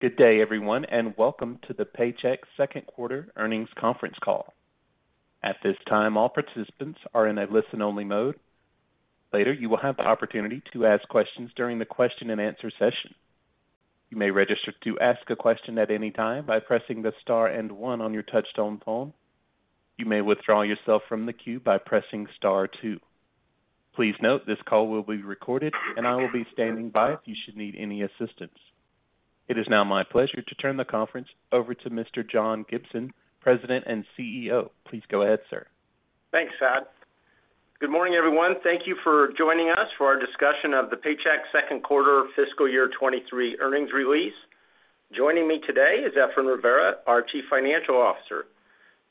Good day, everyone, and welcome to the Paychex Q2 earnings conference call. At this time, all participants are in a listen-only mode. Later, you will have the opportunity to ask questions during the question-and-answer session. You may register to ask a question at any time by pressing the star and one on your touchtone phone. You may withdraw yourself from the queue by pressing star two. Please note, this call will be recorded, and I will be standing by if you should need any assistance. It is now my pleasure to turn the conference over to Mr. John Gibson, President and CEO. Please go ahead, sir Thanks, Todd. Good morning, everyone. Thank you for joining us for our discussion of the Paychex Q2 fiscal year 23 earnings release. Joining me today is Efrain Rivera, our Chief Financial Officer.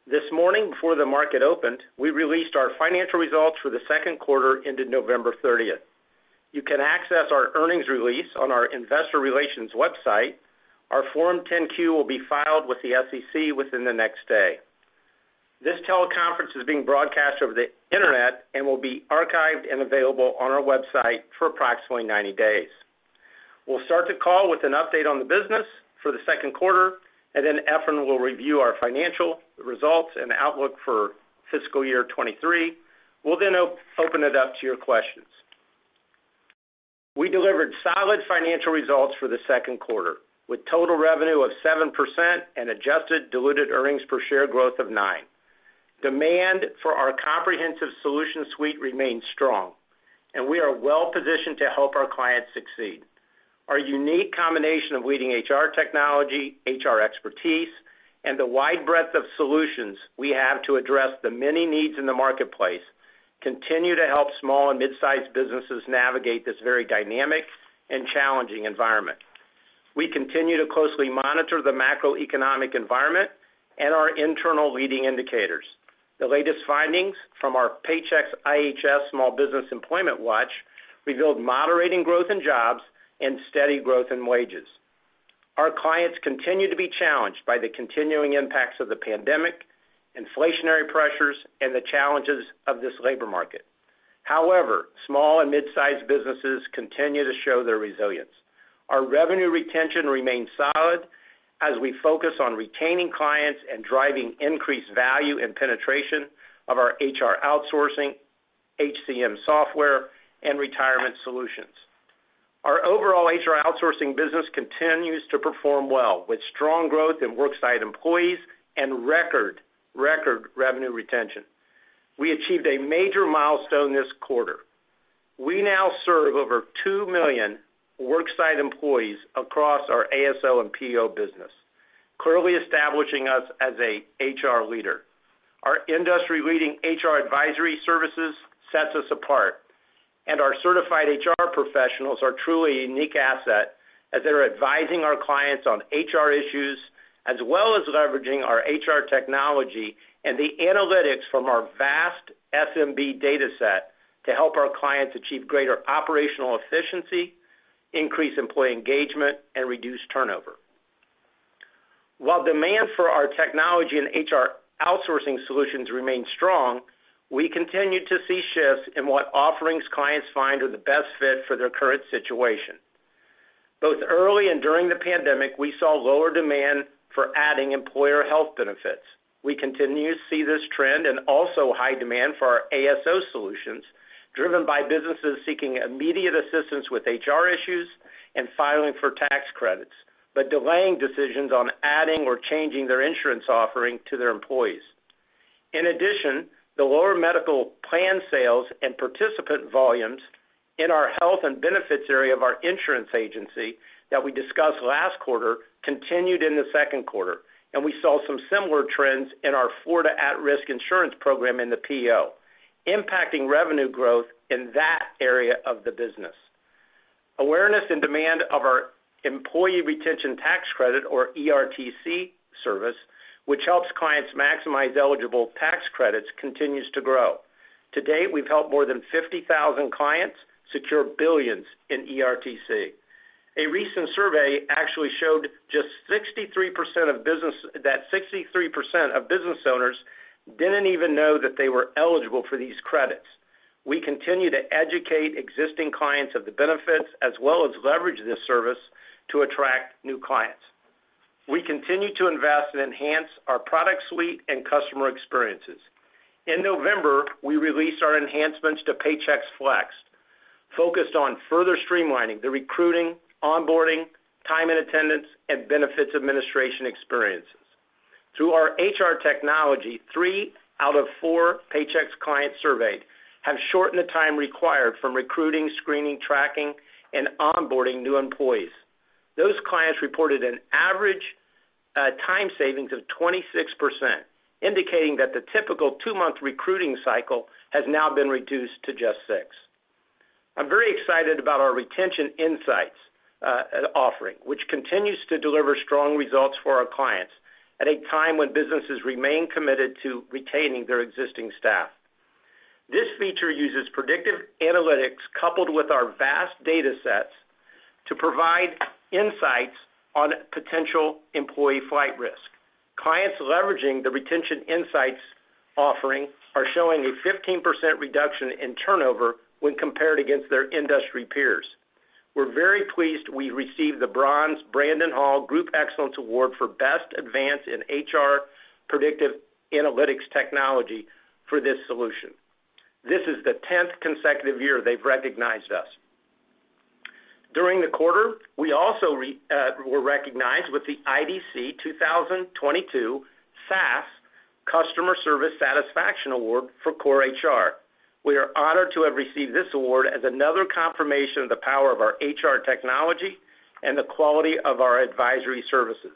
This morning, before the market opened, we released our financial results for the Q2 into November 30th. You can access our earnings release on our investor relations website. Our Form 10-Q will be filed with the SEC within the next day. This teleconference is being broadcast over the internet and will be archived and available on our website for approximately 90 days. We'll start the call with an update on the business for the Q2, and then Efrain will review our financial results and outlook for fiscal year 23. We'll then open it up to your questions. We delivered solid financial results for the Q2, with total revenue of 7% and adjusted diluted earnings per share growth of 9%. Demand for our comprehensive solution suite remains strong, and we are well-positioned to help our clients succeed. Our unique combination of leading HR technology, HR expertise, and the wide breadth of solutions we have to address the many needs in the marketplace continue to help small and mid-sized businesses navigate this very dynamic and challenging environment. We continue to closely monitor the macroeconomic environment and our internal leading indicators. The latest findings from our Paychex IHS Small Business Employment Watch revealed moderating growth in jobs and steady growth in wages. Our clients continue to be challenged by the continuing impacts of the pandemic, inflationary pressures, and the challenges of this labor market. However, small and mid-sized businesses continue to show their resilience. Our revenue retention remains solid as we focus on retaining clients and driving increased value and penetration of our HR outsourcing, HCM software, and retirement solutions. Our overall HR outsourcing business continues to perform well, with strong growth in worksite employees and record revenue retention. We achieved a major milestone this quarter. We now serve over 2 million worksite employees across our ASO and PEO business, clearly establishing us as a HR leader. Our industry-leading HR advisory services sets us apart, and our certified HR professionals are truly a unique asset as they're advising our clients on HR issues, as well as leveraging our HR technology and the analytics from our vast SMB data set to help our clients achieve greater operational efficiency, increase employee engagement, and reduce turnover. While demand for our technology and HR outsourcing solutions remain strong, we continue to see shifts in what offerings clients find are the best fit for their current situation. Both early and during the pandemic, we saw lower demand for adding employer health benefits. We continue to see this trend and also high demand for our ASO solutions, driven by businesses seeking immediate assistance with HR issues and filing for tax credits, but delaying decisions on adding or changing their insurance offering to their employees. In addition, the lower medical plan sales and participant volumes in our health and benefits area of our insurance agency that we discussed last quarter continued in the Q2, and we saw some similar trends in our Florida At-Risk Insurance Program in the PEO, impacting revenue growth in that area of the business. Awareness and demand of our employee retention tax credit, or ERTC service, which helps clients maximize eligible tax credits, continues to grow. To date, we've helped more than 50,000 clients secure $ billions in ERTC. A recent survey actually showed just that 63% of business owners didn't even know that they were eligible for these credits. We continue to educate existing clients of the benefits as well as leverage this service to attract new clients. We continue to invest and enhance our product suite and customer experiences. In November, we released our enhancements to Paychex Flex, focused on further streamlining the recruiting, onboarding, time and attendance, and benefits administration experiences. Through our HR technology, 3 out of 4 Paychex clients surveyed have shortened the time required from recruiting, screening, tracking, and onboarding new employees. Those clients reported an average time savings of 26%, indicating that the typical 2-month recruiting cycle has now been reduced to just 6. I'm very excited about our Retention Insights offering, which continues to deliver strong results for our clients at a time when businesses remain committed to retaining their existing staff. This feature uses predictive analytics coupled with our vast data sets to provide insights on potential employee flight risk. Clients leveraging the Retention Insights offering are showing a 15% reduction in turnover when compared against their industry peers. We're very pleased we received the bronze Brandon Hall Group Excellence Award for best advance in HR predictive analytics technology for this solution. This is the 10th consecutive year they've recognized us. During the quarter, we also were recognized with the IDC 2022 SaaS Customer Satisfaction Award for Core HR. We are honored to have received this award as another confirmation of the power of our HR technology and the quality of our advisory services.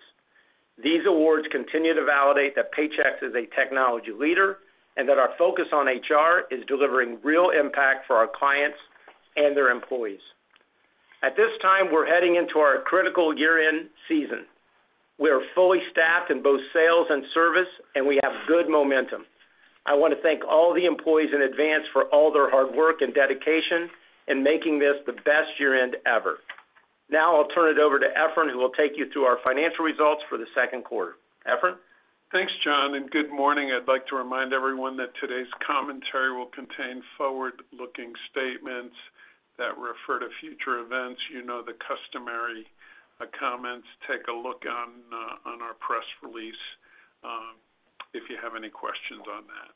These awards continue to validate that Paychex is a technology leader, and that our focus on HR is delivering real impact for our clients and their employees. At this time, we're heading into our critical year-end season. We are fully staffed in both sales and service, and we have good momentum. I wanna thank all the employees in advance for all their hard work and dedication in making this the best year-end ever. I'll turn it over to Efrain, who will take you through our financial results for the Q2. Efrain. Thanks, John. Good morning. I'd like to remind everyone that today's commentary will contain forward-looking statements that refer to future events. You know the customary comments. Take a look on our press release if you have any questions on that.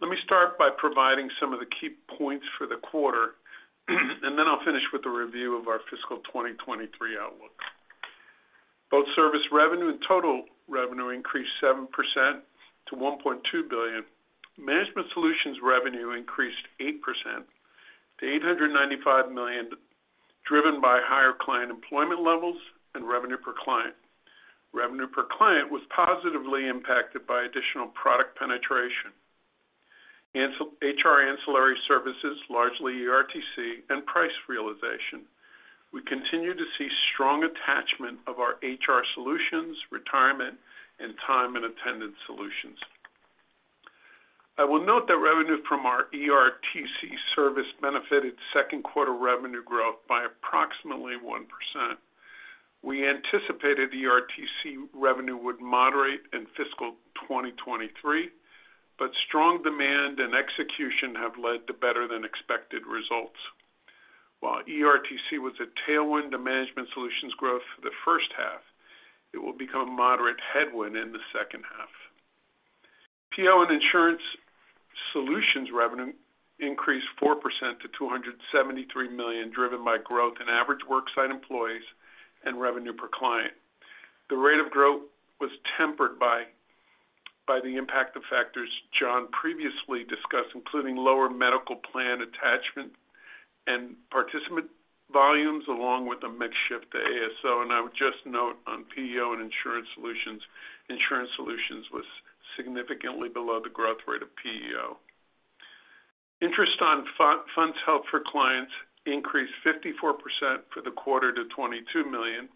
Let me start by providing some of the key points for the quarter. Then I'll finish with a review of our fiscal 2023 outlook. Both service revenue and total revenue increased 7% to $1.2 billion. Management solutions revenue increased 8% to $895 million, driven by higher client employment levels and revenue per client. Revenue per client was positively impacted by additional product penetration. HR ancillary services, largely ERTC and price realization. We continue to see strong attachment of our HR solutions, retirement, and time and attendance solutions. I will note that revenue from our ERTC service benefited Q2 revenue growth by approximately 1%. We anticipated ERTC revenue would moderate in fiscal 2023, but strong demand and execution have led to better than expected results. While ERTC was a tailwind to management solutions growth for the first half, it will become a moderate headwind in the second half. PEO and insurance solutions revenue increased 4% to $273 million, driven by growth in average worksite employees and revenue per client. The rate of growth was tempered by the impact of factors John previously discussed, including lower medical plan attachment and participant volumes, along with a mix shift to ASO. I would just note on PEO and insurance solutions, insurance solutions was significantly below the growth rate of PEO. Interest on funds held for clients increased 54% for the quarter to $22 million,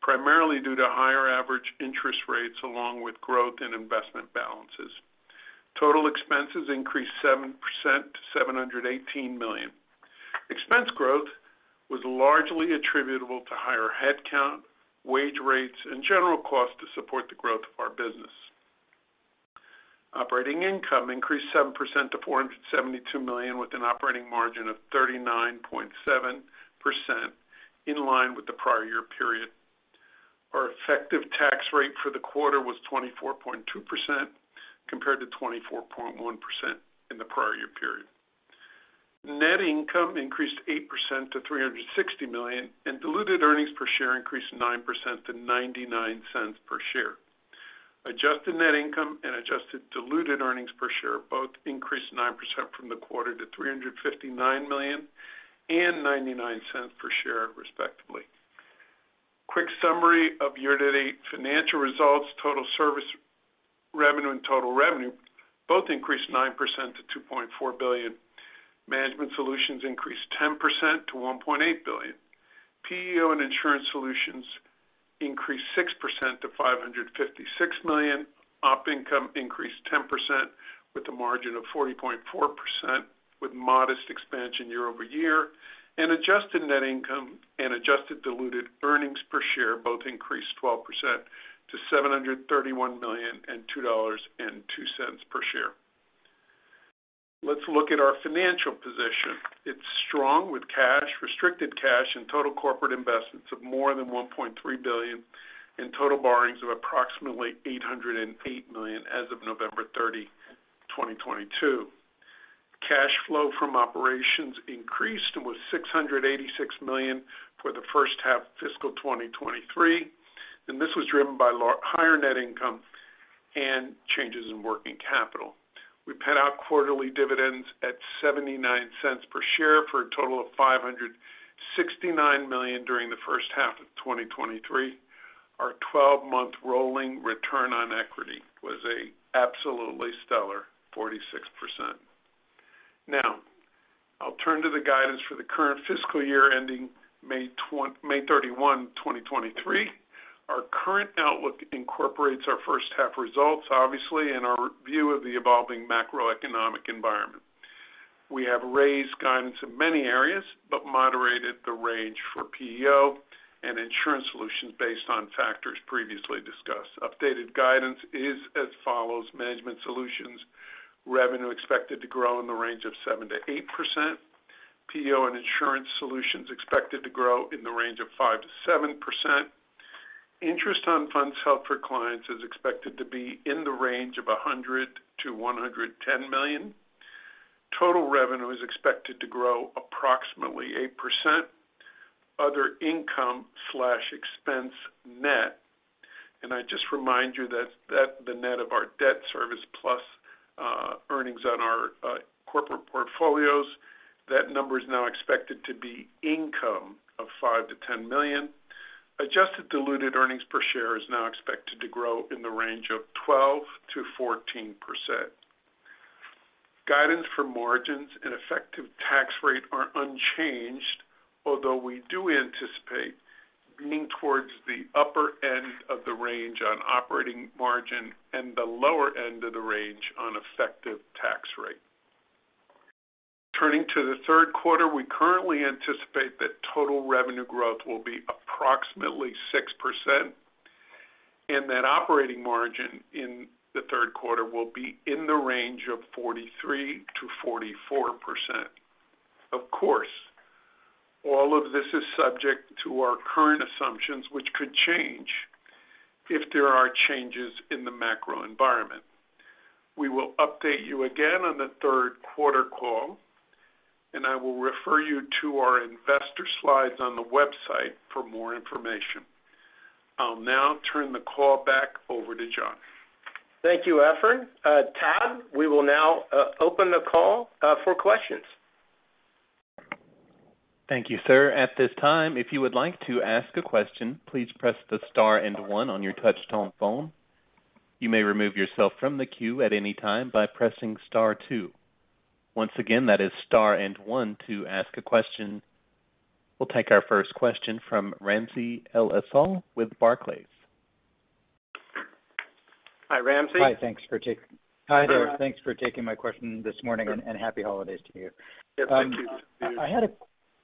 primarily due to higher average interest rates along with growth in investment balances. Total expenses increased 7% to $718 million. Expense growth was largely attributable to higher headcount, wage rates, and general costs to support the growth of our business. Operating income increased 7% to $472 million, with an operating margin of 39.7%, in line with the prior year period. Our effective tax rate for the quarter was 24.2%, compared to 24.1% in the prior year period. Net income increased 8% to $360 million, and diluted earnings per share increased 9% to $0.99 per share. Adjusted net income and adjusted diluted earnings per share both increased 9% from the quarter to $359 million and $0.99 per share, respectively. Quick summary of year-to-date financial results. Total service revenue and total revenue both increased 9% to $2.4 billion. Management solutions increased 10% to $1.8 billion. PEO and insurance solutions increased 6% to $556 million. Op income increased 10% with a margin of 40.4% with modest expansion year-over-year. Adjusted net income and adjusted diluted earnings per share both increased 12% to $731 million and $2.02 per share. Let's look at our financial position. It's strong with cash, restricted cash, and total corporate investments of more than $1.3 billion and total borrowings of approximately $808 million as of November 30, 2022. Cash flow from operations increased and was $686 million for the first half of fiscal 2023, this was driven by higher net income and changes in working capital. We paid out quarterly dividends at $0.79 per share for a total of $569 million during the first half of 2023. Our 12-month rolling return on equity was a absolutely stellar 46%. I'll turn to the guidance for the current fiscal year ending May 31, 2023. Our current outlook incorporates our first half results, obviously, and our view of the evolving macroeconomic environment. We have raised guidance in many areas, but moderated the range for PEO and insurance solutions based on factors previously discussed. Updated guidance is as follows: Management Solutions revenue expected to grow in the range of 7%-8%. PEO and insurance solutions expected to grow in the range of 5%-7%. Interest on funds held for clients is expected to be in the range of $100 million-$110 million. Total revenue is expected to grow approximately 8%. Other income slash expense net, I just remind you that the net of our debt service plus earnings on our corporate portfolios, that number is now expected to be income of $5 million-$10 million. Adjusted diluted earnings per share is now expected to grow in the range of 12%-14%. Guidance for margins and effective tax rate are unchanged, although we do anticipate leaning towards the upper end of the range on operating margin and the lower end of the range on effective tax rate. Turning to the Q3, we currently anticipate that total revenue growth will be approximately 6%, and that operating margin in the Q3 will be in the range of 43%-44%. Of course, all of this is subject to our current assumptions, which could change if there are changes in the macro environment. We will update you again on the Q3 call, and I will refer you to our investor slides on the website for more information. I'll now turn the call back over to John. Thank you, Efrain. Todd, we will now open the call for questions. Thank you, sir. At this time, if you would like to ask a question, please press the star and one on your touch tone phone. You may remove yourself from the queue at any time by pressing star two. Once again, that is star and one to ask a question. We'll take our first question from Ramsey El-Assal with Barclays. Hi, Ramsey. Hi there. Thanks for taking my question this morning, and happy holidays to you. Yeah. Thank you. I had a,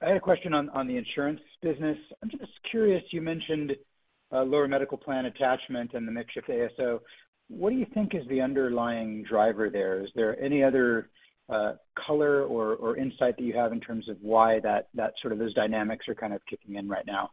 I had a question on the insurance business. I'm just curious, you mentioned lower medical plan attachment and the mix shift ASO. What do you think is the underlying driver there? Is there any other color or insight that you have in terms of why that sort of those dynamics are kind of kicking in right now?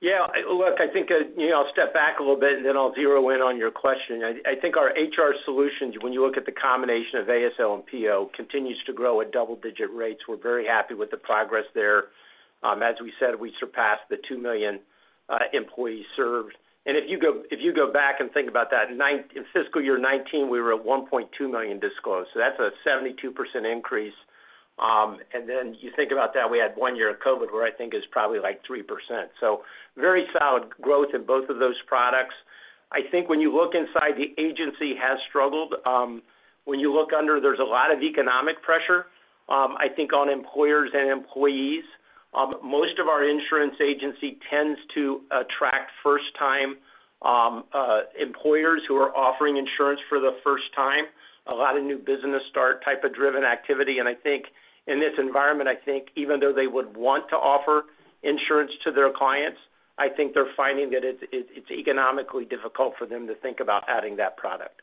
Yeah, look, I think, you know, I'll step back a little bit, and then I'll zero in on your question. I think our HR solutions, when you look at the combination of ASO and PEO, continues to grow at double digit rates. We're very happy with the progress there. As we said, we surpassed the 2 million employees served. If you go back and think about that, in fiscal year 19, we were at 1.2 million disclosed, so that's a 72% increase. Then you think about that, we had one year of COVID, where I think is probably like 3%. Very solid growth in both of those products. I think when you look inside, the agency has struggled. When you look under, there's a lot of economic pressure, I think on employers and employees. Most of our insurance agency tends to attract first time, employers who are offering insurance for the first time, a lot of new business start type of driven activity. I think in this environment, I think even though they would want to offer insurance to their clients, I think they're finding that it's, it's economically difficult for them to think about adding that product.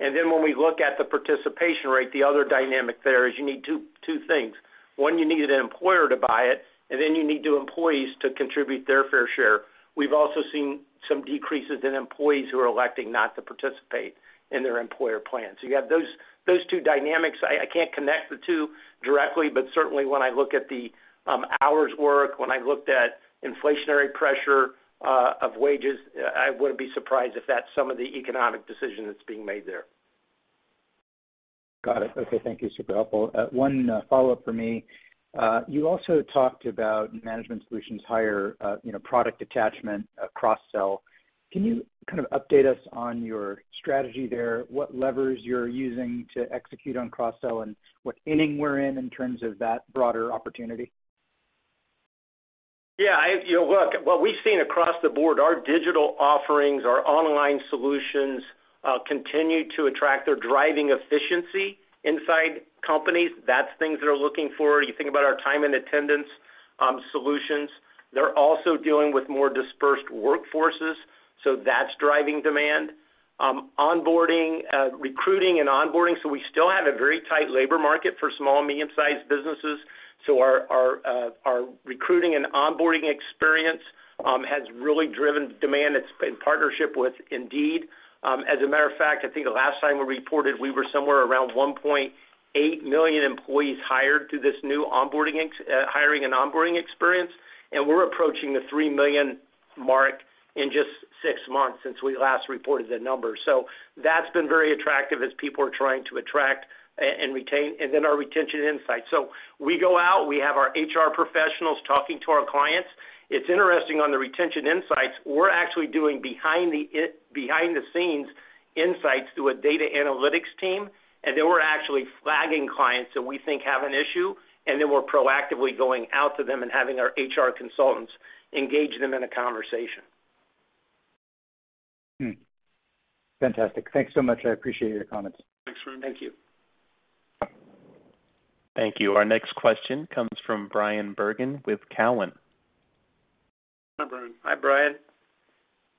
When we look at the participation rate, the other dynamic there is you need two things. 1, you need an employer to buy it, and then you need the employees to contribute their fair share. We've also seen some decreases in employees who are electing not to participate in their employer plans. You have those two dynamics. I can't connect the two directly, but certainly when I look at the hours work, when I looked at inflationary pressure, of wages, I wouldn't be surprised if that's some of the economic decision that's being made there. Got it. Okay, thank you. Super helpful. 1 follow-up for me. You also talked about management solutions hire, you know, product attachment, cross-sell. Can you kind of update us on your strategy there, what levers you're using to execute on cross-sell, and what inning we're in terms of that broader opportunity? You know, look, what we've seen across the board, our digital offerings, our online solutions, continue to attract. They're driving efficiency inside companies. That's things they're looking for. You think about our time and attendance solutions. They're also dealing with more dispersed workforces, so that's driving demand. Onboarding, recruiting and onboarding. We still have a very tight labor market for small and medium-sized businesses, so our, our recruiting and onboarding experience has really driven demand. It's been partnership with Indeed. As a matter of fact, I think the last time we reported, we were somewhere around 1.8 million employees hired through this new onboarding hiring and onboarding experience, and we're approaching the 3 million mark in just 6 months since we last reported the numbers. That's been very attractive as people are trying to attract and retain. Our Retention Insights. We go out, we have our HR professionals talking to our clients. It's interesting on the Retention Insights, we're actually doing behind the scenes insights through a data analytics team, we're actually flagging clients that we think have an issue, we're proactively going out to them and having our HR consultants engage them in a conversation. Fantastic. Thanks so much. I appreciate your comments. Thanks, Ramsey. Thank you. Thank you. Our next question comes from Brian Bergen with Cowen. Hi, Brian.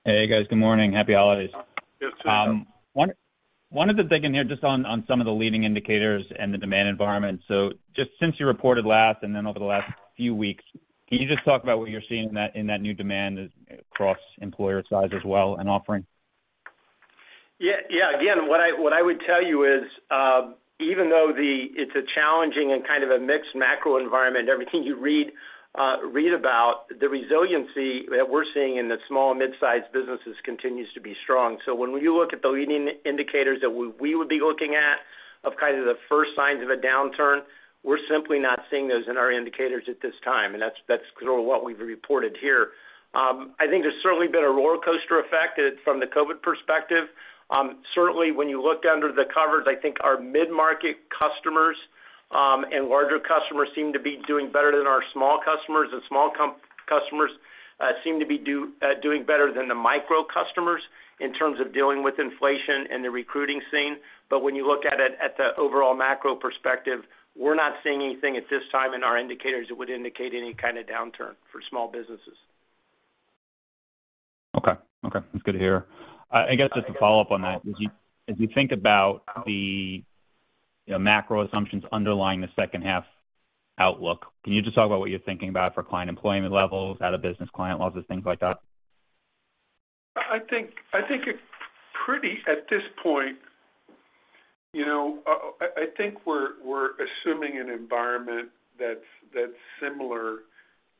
Hey, guys. Good morning. Happy holidays. You too. One of the big in here just on some of the leading indicators and the demand environment. Just since you reported last and then over the last few weeks, can you just talk about what you're seeing in that new demand across employer size as well and offering? Yeah. Yeah. Again, what I would tell you is, even though it's a challenging and kind of a mixed macro environment, everything you read about, the resiliency that we're seeing in the small mid-sized businesses continues to be strong. When you look at the leading indicators that we would be looking at of kind of the first signs of a downturn, we're simply not seeing those in our indicators at this time. That's sort of what we've reported here. I think there's certainly been a roller coaster effect from the COVID perspective. Certainly when you look under the covers, I think our mid-market customers and larger customers seem to be doing better than our small customers, and small customers seem to be doing better than the micro customers in terms of dealing with inflation and the recruiting scene. When you look at it at the overall macro perspective, we're not seeing anything at this time in our indicators that would indicate any kind of downturn for small businesses. Okay. Okay. That's good to hear. I guess just a follow-up on that. As you think about the, you know, macro assumptions underlying the second half outlook, can you just talk about what you're thinking about for client employment levels, out of business client losses, things like that? I think at this point, you know, I think we're assuming an environment that's similar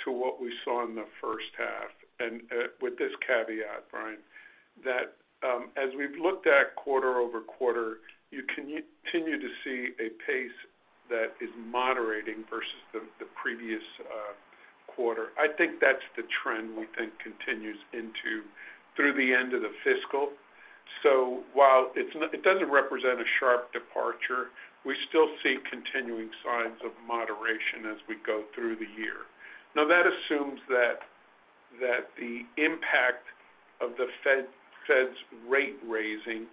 to what we saw in the first half. With this caveat, Brian, that as we've looked at quarter-over-quarter, you continue to see a pace that is moderating versus the previous quarter. I think that's the trend we think continues into through the end of the fiscal. While it doesn't represent a sharp departure, we still see continuing signs of moderation as we go through the year. That assumes that the impact of the Fed's rate raising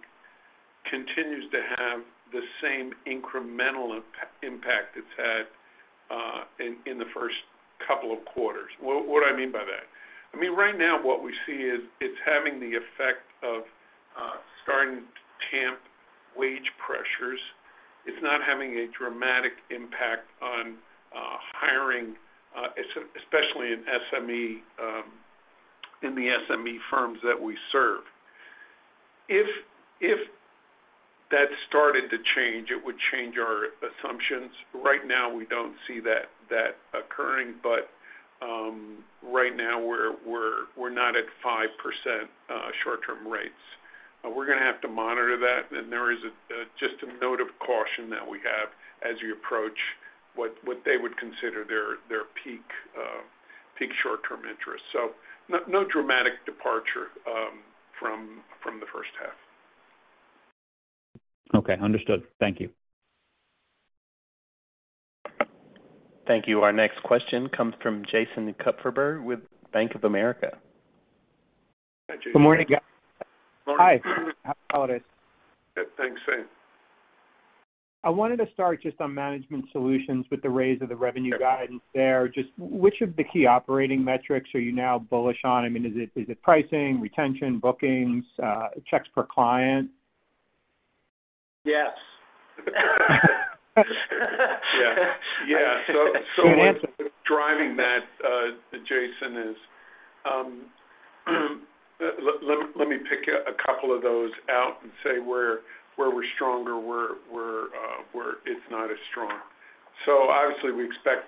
continues to have the same incremental impact it's had in the first couple of quarters. What do I mean by that? I mean, right now what we see is it's having the effect of starting to tamp wage pressures. It's not having a dramatic impact on hiring, especially in SME in the SME firms that we serve. If that started to change, it would change our assumptions. Right now, we don't see that occurring, but right now we're not at 5% short-term rates. We're gonna have to monitor that. There is just a note of caution that we have as we approach what they would consider their peak short-term interest. No dramatic departure from the first half. Okay, understood. Thank you. Thank you. Our next question comes from Jason Kupferberg with Bank of America. Hi, Jason. Good morning, guys. Morning. Hi. Happy holidays. Thanks, Samana. I wanted to start just on management solutions with the raise of the revenue guidance there. Just which of the key operating metrics are you now bullish on? I mean, is it pricing, retention, bookings, checks per client? Yes. Yeah. Yeah. Good answer. what's driving that, Jason is, let me pick a couple of those out and say where we're stronger, where it's not as strong. Obviously, we expect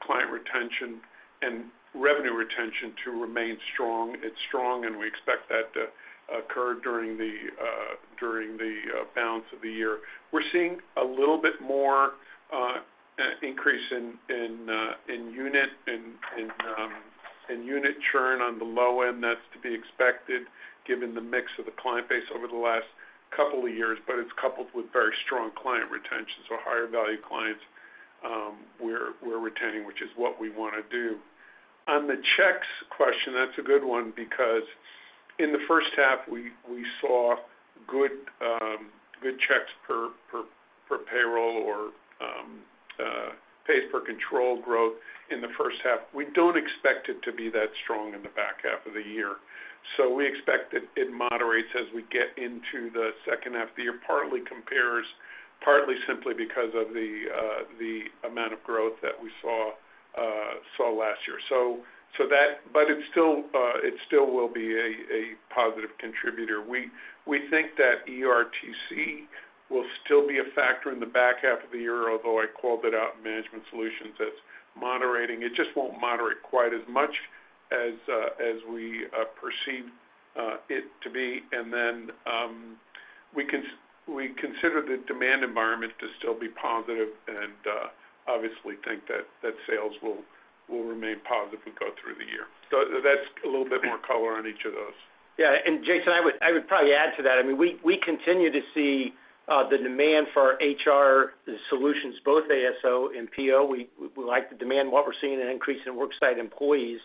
client retention and revenue retention to remain strong. It's strong, and we expect that to occur during the balance of the year. We're seeing a little bit more increase in unit and in unit churn on the low end. That's to be expected given the mix of the client base over the last couple of years, but it's coupled with very strong client retention. Higher value clients, we're retaining, which is what we wanna do. On the checks question, that's a good one because in the first half, we saw good checks per payroll or pace per control growth in the first half. We don't expect it to be that strong in the back half of the year. We expect it moderates as we get into the second half of the year, partly compares partly simply because of the amount of growth that we saw last year. It still will be a positive contributor. We think that ERTC will still be a factor in the back half of the year, although I called it out in management solutions, that's moderating. It just won't moderate quite as much as we perceive it to be. We consider the demand environment to still be positive and obviously think that sales will remain positive as we go through the year. That's a little bit more color on each of those. Yeah. Jason, I would probably add to that. I mean, we continue to see the demand for our HR solutions, both ASO and PEO. We like the demand, what we're seeing an increase in worksite employees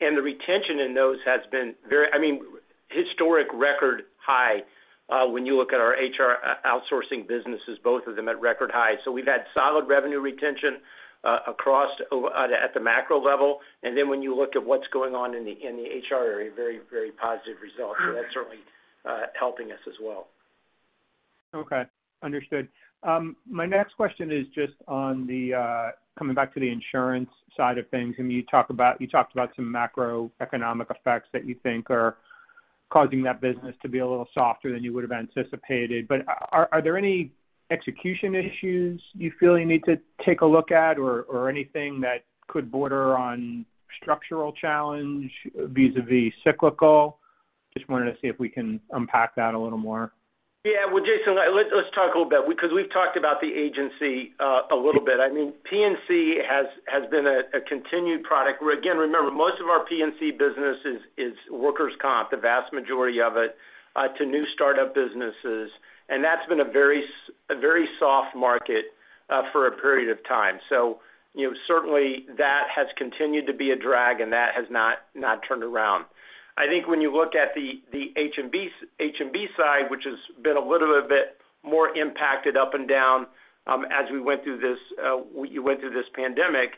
and the retention in those has been I mean, historic record high, when you look at our HR outsourcing businesses, both of them at record highs. We've had solid revenue retention, across at the macro level. When you look at what's going on in the HR area, very, very positive results. That's certainly helping us as well. Okay. Understood. My next question is just on the, coming back to the insurance side of things. You talked about some macroeconomic effects that you think are causing that business to be a little softer than you would have anticipated. Are there any execution issues you feel you need to take a look at or anything that could border on structural challenge vis-à-vis cyclical? Just wanted to see if we can unpack that a little more. Yeah. Well, Jason, let's talk a little bit because we've talked about the agency a little bit. I mean, P&C has been a continued product, where again, remember, most of our P&C business is workers' comp, the vast majority of it, to new startup businesses. That's been a very soft market for a period of time. You know, certainly that has continued to be a drag, and that has not turned around. I think when you look at the H&B side, which has been a little bit more impacted up and down, as we went through this, we went through this pandemic,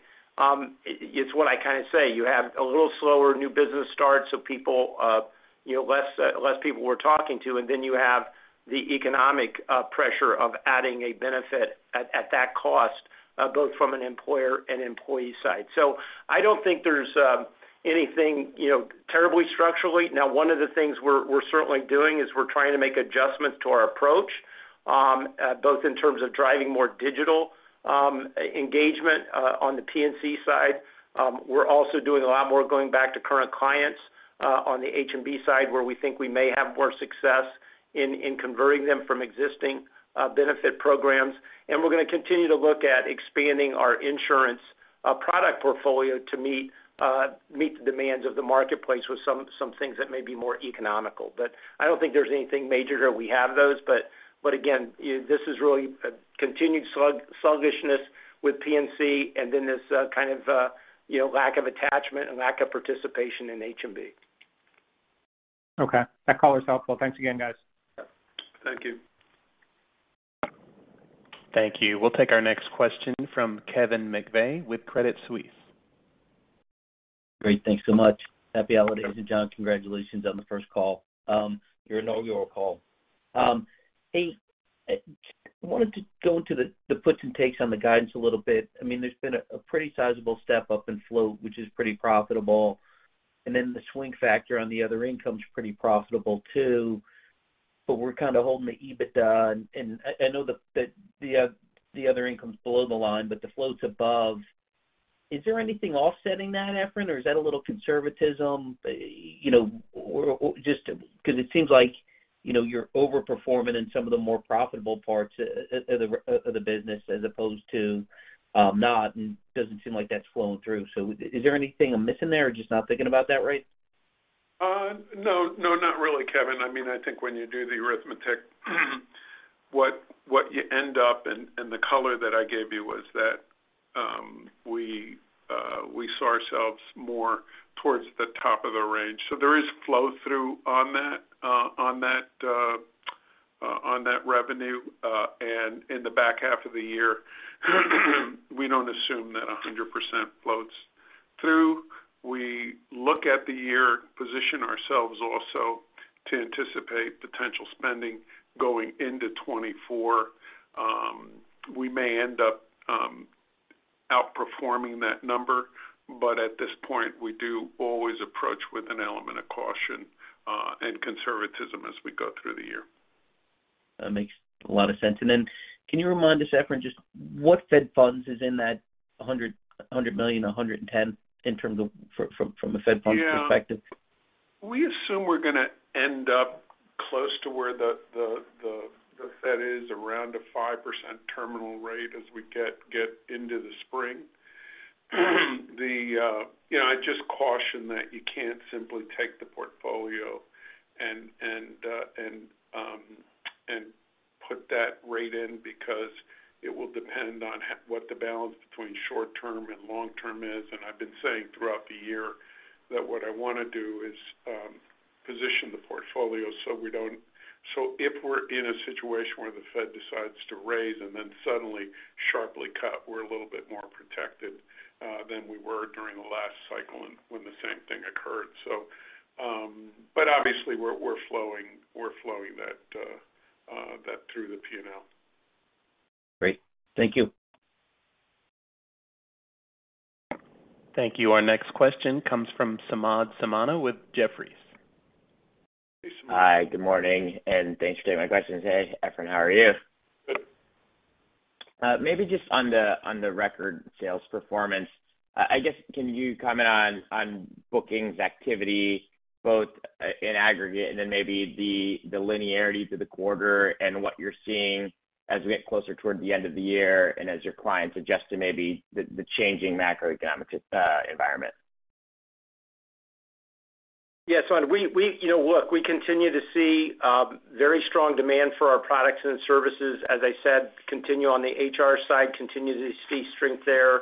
it's what I kinda say, you have a little slower new business starts, so people, you know, less people we're talking to. You have the economic pressure of adding a benefit at that cost, both from an employer and employee side. I don't think there's anything, you know, terribly structurally. One of the things we're certainly doing is we're trying to make adjustments to our approach, both in terms of driving more digital engagement on the P&C side. We're also doing a lot more going back to current clients on the H&B side, where we think we may have more success in converting them from existing benefit programs. We're gonna continue to look at expanding our insurance product portfolio to meet the demands of the marketplace with some things that may be more economical. I don't think there's anything major there. We have those, but again, this is really a continued sluggishness with P&C and then this kind of a, you know, lack of attachment and lack of participation in H&B. Okay. That call was helpful. Thanks again, guys. Thank you. Thank you. We'll take our next question from Kevin McVey with Credit Suisse. Great. Thanks so much. Happy holidays. John, congratulations on the first call. Your inaugural call. Hey, I wanted to go into the puts and takes on the guidance a little bit. I mean, there's been a pretty sizable step up in flow, which is pretty profitable, and then the swing factor on the other income's pretty profitable too. We're kinda holding the EBITDA, and I know the other income's below the line, but the flow's above. Is there anything offsetting that, Efrain, or is that a little conservatism? You know, 'cause it seems like, you know, you're overperforming in some of the more profitable parts of the business as opposed to not, and doesn't seem like that's flowing through. Is there anything I'm missing there or just not thinking about that right? No, not really, Kevin. I mean, I think when you do the arithmetic, what you end up, and the color that I gave you was that we saw ourselves more towards the top of the range. There is flow through on that revenue and in the back half of the year. We don't assume that 100% floats through. We look at the year, position ourselves also to anticipate potential spending going into 2024. We may end up outperforming that number, but at this point, we do always approach with an element of caution and conservatism as we go through the year. That makes a lot of sense. Can you remind us, Efrain, just what Federal Funds is in that $100 million, 110 in terms of from a Federal Funds perspective? Yeah. We assume we're gonna end up close to where the Fed is, around a 5% terminal rate as we get into the spring. You know, I just caution that you can't simply take the portfolio and put that rate in because it will depend on what the balance between short term and long term is. I've been saying throughout the year that what I wanna do is position the portfolio if we're in a situation where the Fed decides to raise and then suddenly sharply cut, we're a little bit more protected than we were during the last cycle and when the same thing occurred. Obviously, we're flowing that through the P&L. Great. Thank you. Thank you. Our next question comes from Samad Samana with Jefferies. Hey, Samad. Hi, good morning, and thanks for taking my questions. Hey, Efrain, how are you? Good. Maybe just on the, on the record sales performance, I guess, can you comment on bookings activity, both in aggregate and then maybe the linearity to the quarter and what you're seeing as we get closer toward the end of the year and as your clients adjust to maybe the changing macroeconomic environment? Yes, Samad, we, you know, look, we continue to see very strong demand for our products and services, as I said, continue on the HR side, continue to see strength there.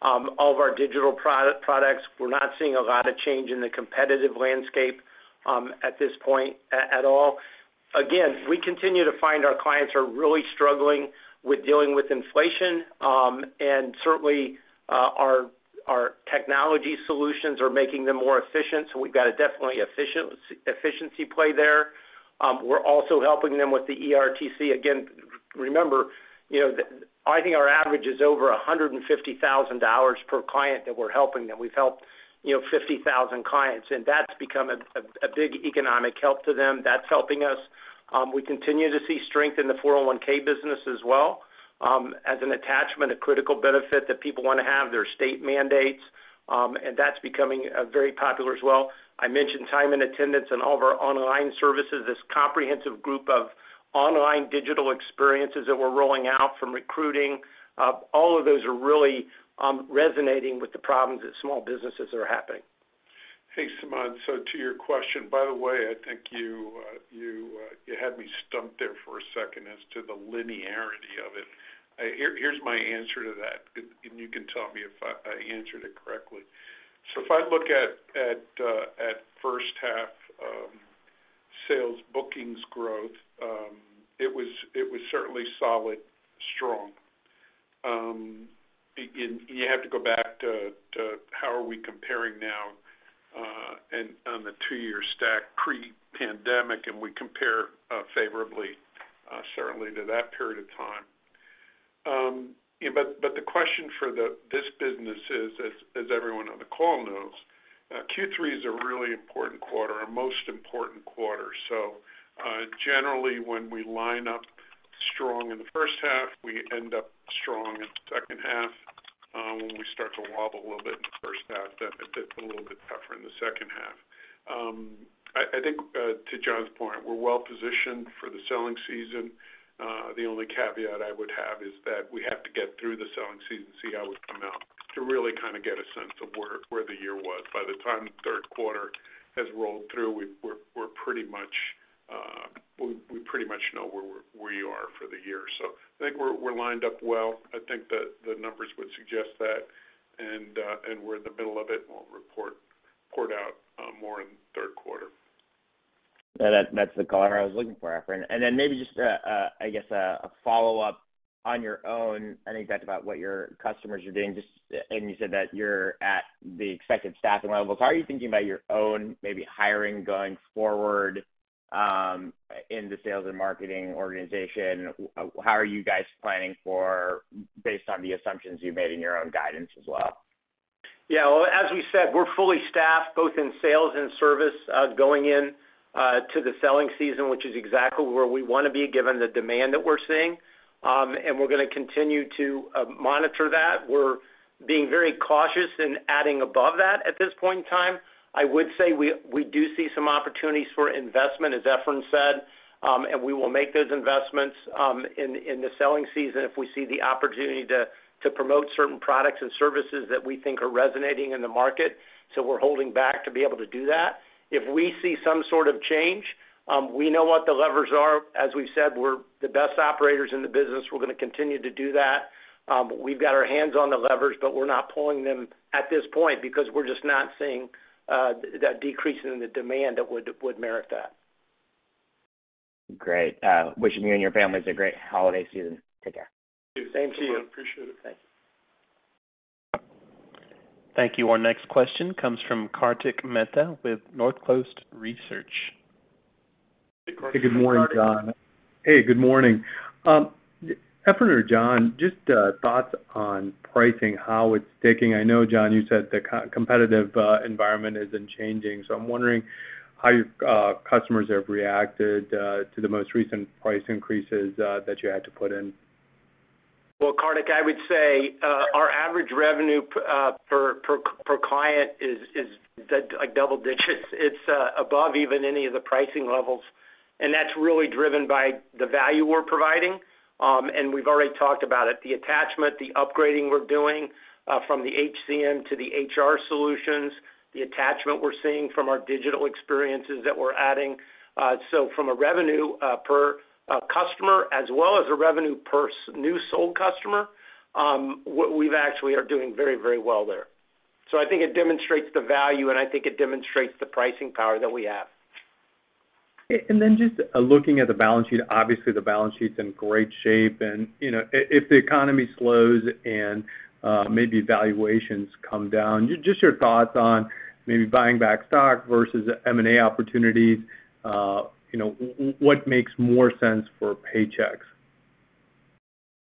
All of our digital products, we're not seeing a lot of change in the competitive landscape at this point at all. Again, we continue to find our clients are really struggling with dealing with inflation. Certainly, our technology solutions are making them more efficient, so we've got a definitely efficiency play there. We're also helping them with the ERTC. Again, remember, you know, I think our average is over $150,000 per client that we're helping them. We've helped, you know, 50,000 clients, and that's become a big economic help to them. That's helping us. We continue to see strength in the 401 business as well, as an attachment, a critical benefit that people wanna have, there are state mandates, and that's becoming very popular as well. I mentioned time and attendance and all of our online services, this comprehensive group of online digital experiences that we're rolling out from recruiting, all of those are really resonating with the problems that small businesses are having. Hey, Sumad. To your question. By the way, I think you had me stumped there for a second as to the linearity of it. Here's my answer to that, and you can tell me if I answered it correctly. If I look at first half sales bookings growth, it was certainly solid strong. You have to go back to how are we comparing now, and on the two-year stack pre-pandemic, and we compare favorably certainly to that period of time. The question for this business is, as everyone on the call knows, Q3 is a really important quarter, our most important quarter. Generally, when we line up strong in the first half, we end up strong in the second half. When we start to wobble a little bit in the first half, it gets a little bit tougher in the second half. I think, to John's point, we're well positioned for the selling season. The only caveat I would have is that we have to get through the selling season to see how we come out, to really kind of get a sense of where the year was. By the time the Q3 has rolled through, we're, we're pretty much, we pretty much know where you are for the year. I think we're lined up well. I think the numbers would suggest that. We're in the middle of it, and we'll report out more in the Q3. Yeah, that's the color I was looking for, Efrain. Maybe just a, I guess, a follow-up on your own. I think that's about what your customers are doing. You said that you're at the expected staffing levels. How are you thinking about your own, maybe hiring going forward, in the sales and marketing organization? How are you guys planning for based on the assumptions you've made in your own guidance as well? Well, as we said, we're fully staffed, both in sales and service, going in to the selling season, which is exactly where we wanna be given the demand that we're seeing. We're gonna continue to monitor that. We're being very cautious in adding above that at this point in time. I would say we do see some opportunities for investment, as Efrain said, we will make those investments in the selling season if we see the opportunity to promote certain products and services that we think are resonating in the market. We're holding back to be able to do that. If we see some sort of change, we know what the levers are. As we've said, we're the best operators in the business. We're gonna continue to do that. We've got our hands on the levers, but we're not pulling them at this point because we're just not seeing that decrease in the demand that would merit that. Great. Wishing you and your families a great holiday season. Take care. Thank you. To you. Appreciate it. Thanks. Thank you. Our next question comes from Kartik Mehta with Northcoast Research. Hey, Kartik. Hey, Kartik. Hey, good morning, John. Hey, good morning. Efrain or John, just, thoughts on pricing, how it's sticking. I know, John, you said the co-competitive environment has been changing, so I'm wondering how your customers have reacted to the most recent price increases that you had to put in. Well, Kartik, I would say, our average revenue per client is like double digits. It's above even any of the pricing levels, and that's really driven by the value we're providing. We've already talked about it, the attachment, the upgrading we're doing from the HCM to the HR solutions, the attachment we're seeing from our digital experiences that we're adding. From a revenue per customer as well as a revenue per new sold customer, we've actually are doing very, very well there. I think it demonstrates the value, and I think it demonstrates the pricing power that we have. Then just looking at the balance sheet, obviously, the balance sheet's in great shape. You know, if the economy slows and maybe valuations come down, just your thoughts on maybe buying back stock versus M&A opportunities, you know, what makes more sense for Paychex?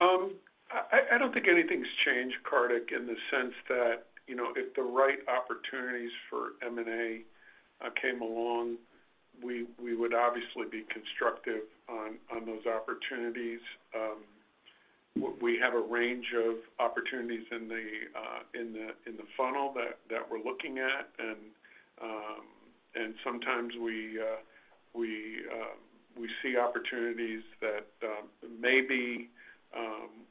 I don't think anything's changed, Kartik, in the sense that, you know, if the right opportunities for M&A came along, we would obviously be constructive on those opportunities. We have a range of opportunities in the funnel that we're looking at. Sometimes we see opportunities that may be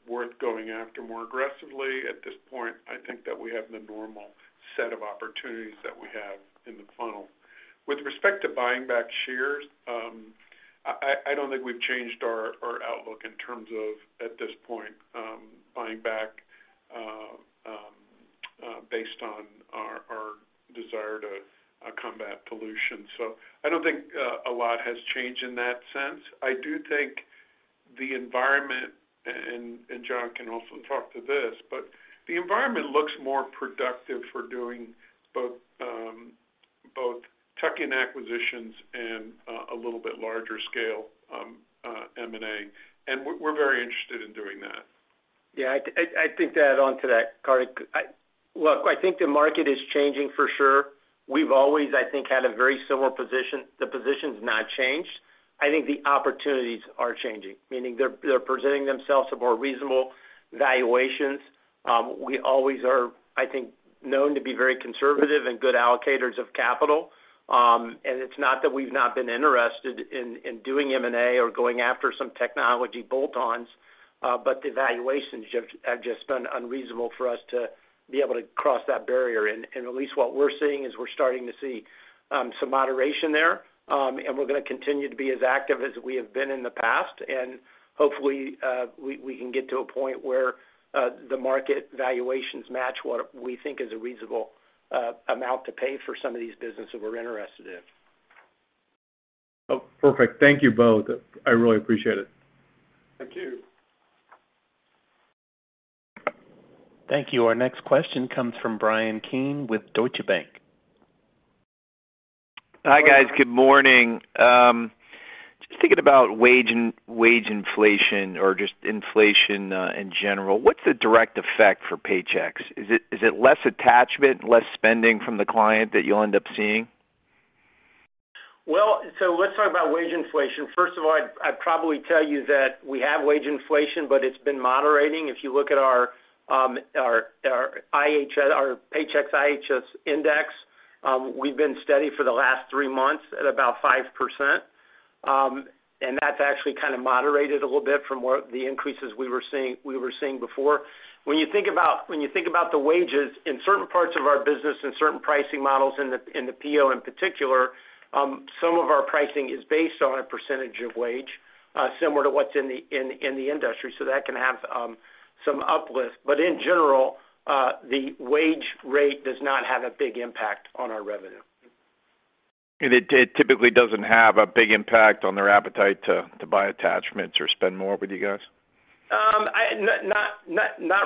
worth going after more aggressively. At this point, I think that we have the normal set of opportunities that we have in the funnel. With respect to buying back shares, I don't think we've changed our outlook in terms of, at this point, buying back based on our desire to combat pollution. I don't think a lot has changed in that sense. I do think the environment, and John can also talk to this, but the environment looks more productive for doing both tuck-in acquisitions and a little bit larger scale M&A, and we're very interested in doing that. Yeah. I'd think to add on to that, Kartik, look, I think the market is changing for sure. We've always, I think, had a very similar position. The position's not changed. I think the opportunities are changing, meaning they're presenting themselves to more reasonable valuations. We always are, I think, known to be very conservative and good allocators of capital. It's not that we've not been interested in doing M&A or going after some technology bolt-ons, but the valuations have just been unreasonable for us to be able to cross that barrier. At least what we're seeing is we're starting to see some moderation there, and we're gonna continue to be as active as we have been in the past. Hopefully, we can get to a point where the market valuations match what we think is a reasonable amount to pay for some of these businesses we're interested in. Oh, perfect. Thank you both. I really appreciate it. Thank you. Thank you. Our next question comes from Brian Keane with Deutsche Bank. Hi, guys. Good morning. Just thinking about wage inflation or just inflation, in general, what's the direct effect for Paychex? Is it less attachment, less spending from the client that you'll end up seeing? Let's talk about wage inflation. First of all, I'd probably tell you that we have wage inflation, but it's been moderating. If you look at our IHS, our Paychex IHS index, we've been steady for the last three months at about 5%, and that's actually kind of moderated a little bit from what the increases we were seeing before. When you think about the wages, in certain parts of our business and certain pricing models in the PEO in particular, some of our pricing is based on a percentage of wage, similar to what's in the industry, so that can have some uplift. In general, the wage rate does not have a big impact on our revenue. It typically doesn't have a big impact on their appetite to buy attachments or spend more with you guys? Not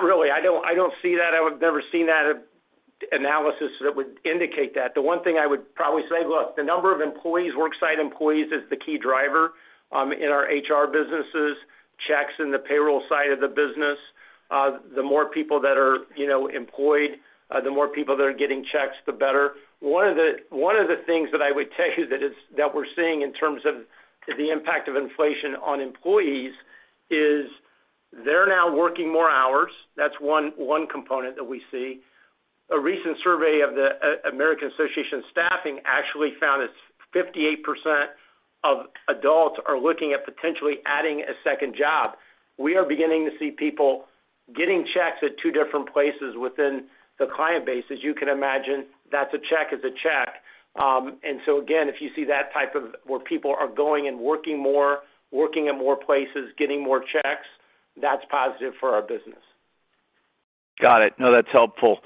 really. I don't see that. I have never seen that analysis that would indicate that. The one thing I would probably say, look, the number of employees, worksite employees, is the key driver in our HR businesses, checks in the payroll side of the business. The more people that are, you know, employed, the more people that are getting checks, the better. One of the things that I would tell you that we're seeing in terms of the impact of inflation on employees is they're now working more hours. That's one component that we see. A recent survey of the American Staffing Association actually found that 58% of adults are looking at potentially adding a second job. We are beginning to see people getting checks at two different places within the client base. As you can imagine, that's a check is a check. Again, if you see that type of where people are going and working more, working in more places, getting more checks, that's positive for our business. Got it. No, that's helpful.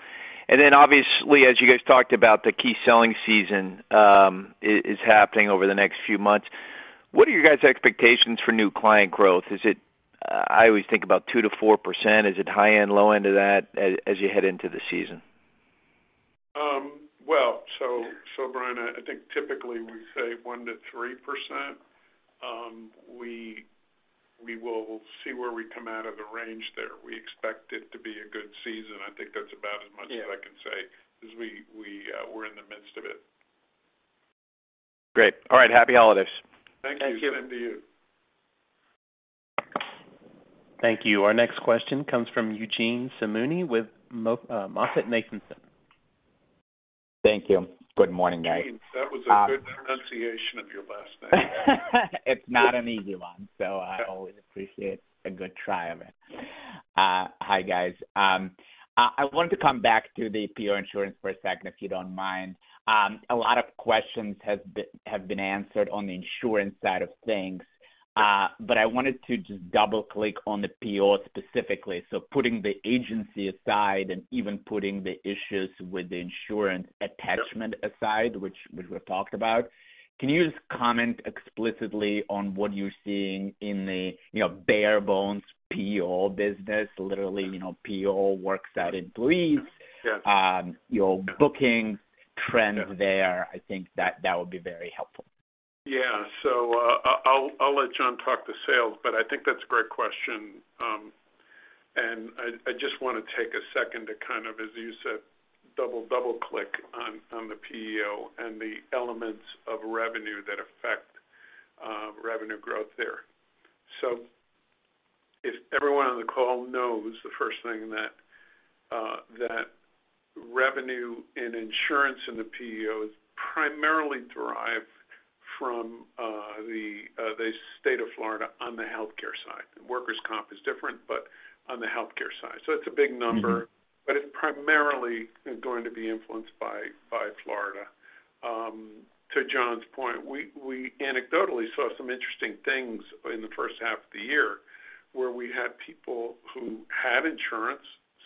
Obviously, as you guys talked about, the key selling season, is happening over the next few months. What are your guys' expectations for new client growth? Is it... I always think about 2%-4%. Is it high-end, low-end of that as you head into the season? Well, Brian, I think typically we say 1% to 3%. We will see where we come out of the range there. We expect it to be a good season. I think that's about as much as I can say, because we're in the midst of it. Great. All right. Happy holidays. Thank you. Thank you. Same to you. Thank you. Our next question comes from Eugene Simonyi with MoffettNathanson. Thank you. Good morning, guys. Eugene, that was a good pronunciation of your last name. It's not an easy one, so I always appreciate a good try of it. Hi, guys. I wanted to come back to the PEO insurance for a second, if you don't mind. A lot of questions have been answered on the insurance side of things, but I wanted to just double-click on the PEO specifically. Putting the agency aside and even putting the issues with the insurance attachment aside, which we've talked about, can you just comment explicitly on what you're seeing in the, you know, bare bones PEO business, literally, you know, PEO worksite employees. Yes. Your booking trend there, I think that that would be very helpful. Yeah. I'll let John talk to sales, but I think that's a great question. I just wanna take a second to kind of, as you said, double-click on the PEO and the elements of revenue that affect revenue growth there. If everyone on the call knows the first thing that revenue and insurance in the PEO is primarily derived from the state of Florida on the healthcare side. Workers' comp is different, but on the healthcare side. It's a big number. Mm-hmm. It's primarily going to be influenced by Florida. To John's point, we anecdotally saw some interesting things in the first half of the year where we had people who had insurance,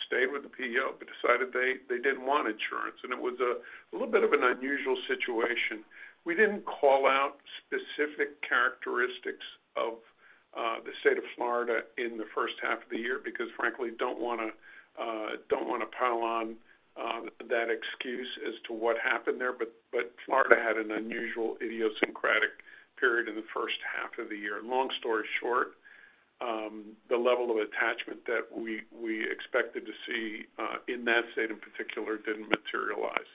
stayed with the PEO, but decided they didn't want insurance, and it was a little bit of an unusual situation. We didn't call out specific characteristics of the state of Florida in the first half of the year because frankly, don't wanna, don't wanna pile on that excuse as to what happened there, but Florida had an unusual idiosyncratic period in the first half of the year. Long story short, the level of attachment that we expected to see in that state in particular didn't materialize.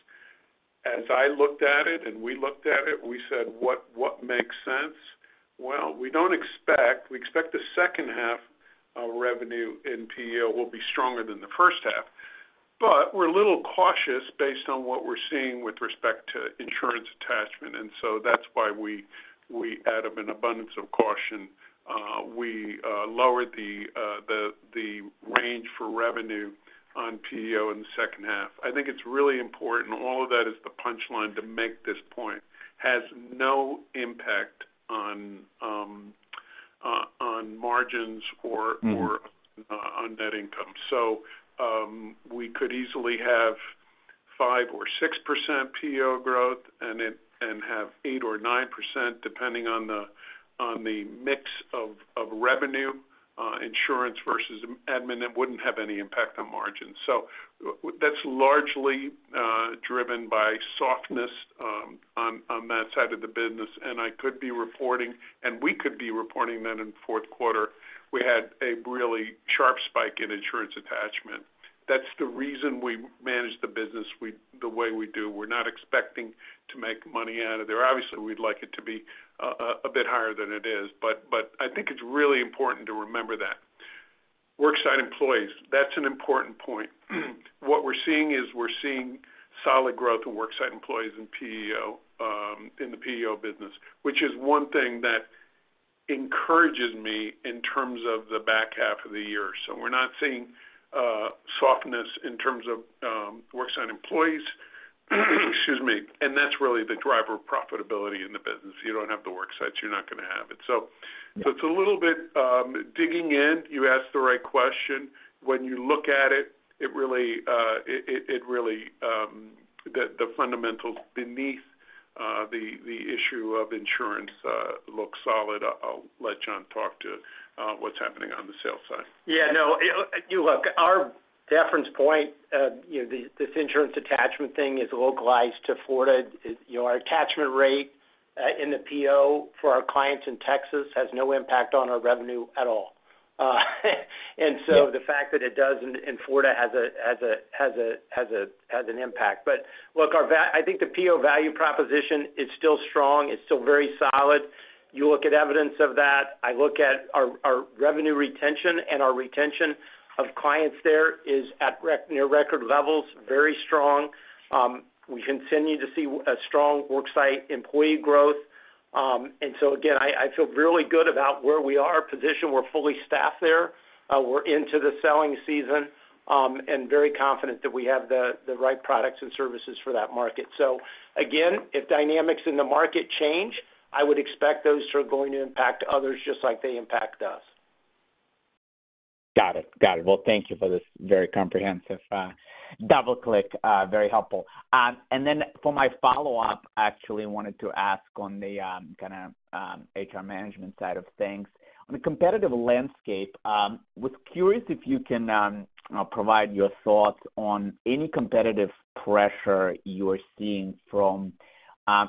As I looked at it and we looked at it, we said, "What makes sense?" Well, we expect the second half of revenue in PEO will be stronger than the first half. We're a little cautious based on what we're seeing with respect to insurance attachment. That's why we out of an abundance of caution, we lowered the range for revenue on PEO in the second half. I think it's really important, all of that is the punchline to make this point, has no impact on margins or. Mm... or on net income. We could easily have 5% or 6% PEO growth and have 8% or 9% depending on the mix of revenue, insurance versus admin, it wouldn't have any impact on margins. That's largely driven by softness on that side of the business, and I could be reporting, and we could be reporting that in fourth quarter, we had a really sharp spike in insurance attachment. That's the reason we manage the business the way we do. We're not expecting to make money out of there. Obviously, we'd like it to be a bit higher than it is, but I think it's really important to remember that. Worksite employees, that's an important point. What we're seeing is we're seeing solid growth in worksite employees in PEO, in the PEO business, which is one thing that encourages me in terms of the back half of the year. We're not seeing softness in terms of worksite employees, excuse me, and that's really the driver profitability in the business. You don't have the worksites, you're not gonna have it. Yeah... so it's a little bit, digging in. You asked the right question. When you look at it really, the fundamentals beneath the issue of insurance, look solid. I'll let John talk to what's happening on the sales side. Yeah, no. You know what? Our deference point, you know, this insurance attachment thing is localized to Florida. You know, our attachment rate in the PEO for our clients in Texas has no impact on our revenue at all. The fact that it does in Florida has an impact. Look, I think the PEO value proposition is still strong, it's still very solid. You look at evidence of that. I look at our revenue retention and our retention of clients there is at near record levels, very strong. We continue to see a strong work site employee growth. Again, I feel really good about where we are positioned. We're fully staffed there. We're into the selling season, and very confident that we have the right products and services for that market. Again, if dynamics in the market change, I would expect those are going to impact others just like they impact us. Got it. Got it. Well, thank you for this very comprehensive double-click. Very helpful. For my follow-up, I actually wanted to ask on the kinda HR management side of things. On the competitive landscape, was curious if you can provide your thoughts on any competitive pressure you're seeing from,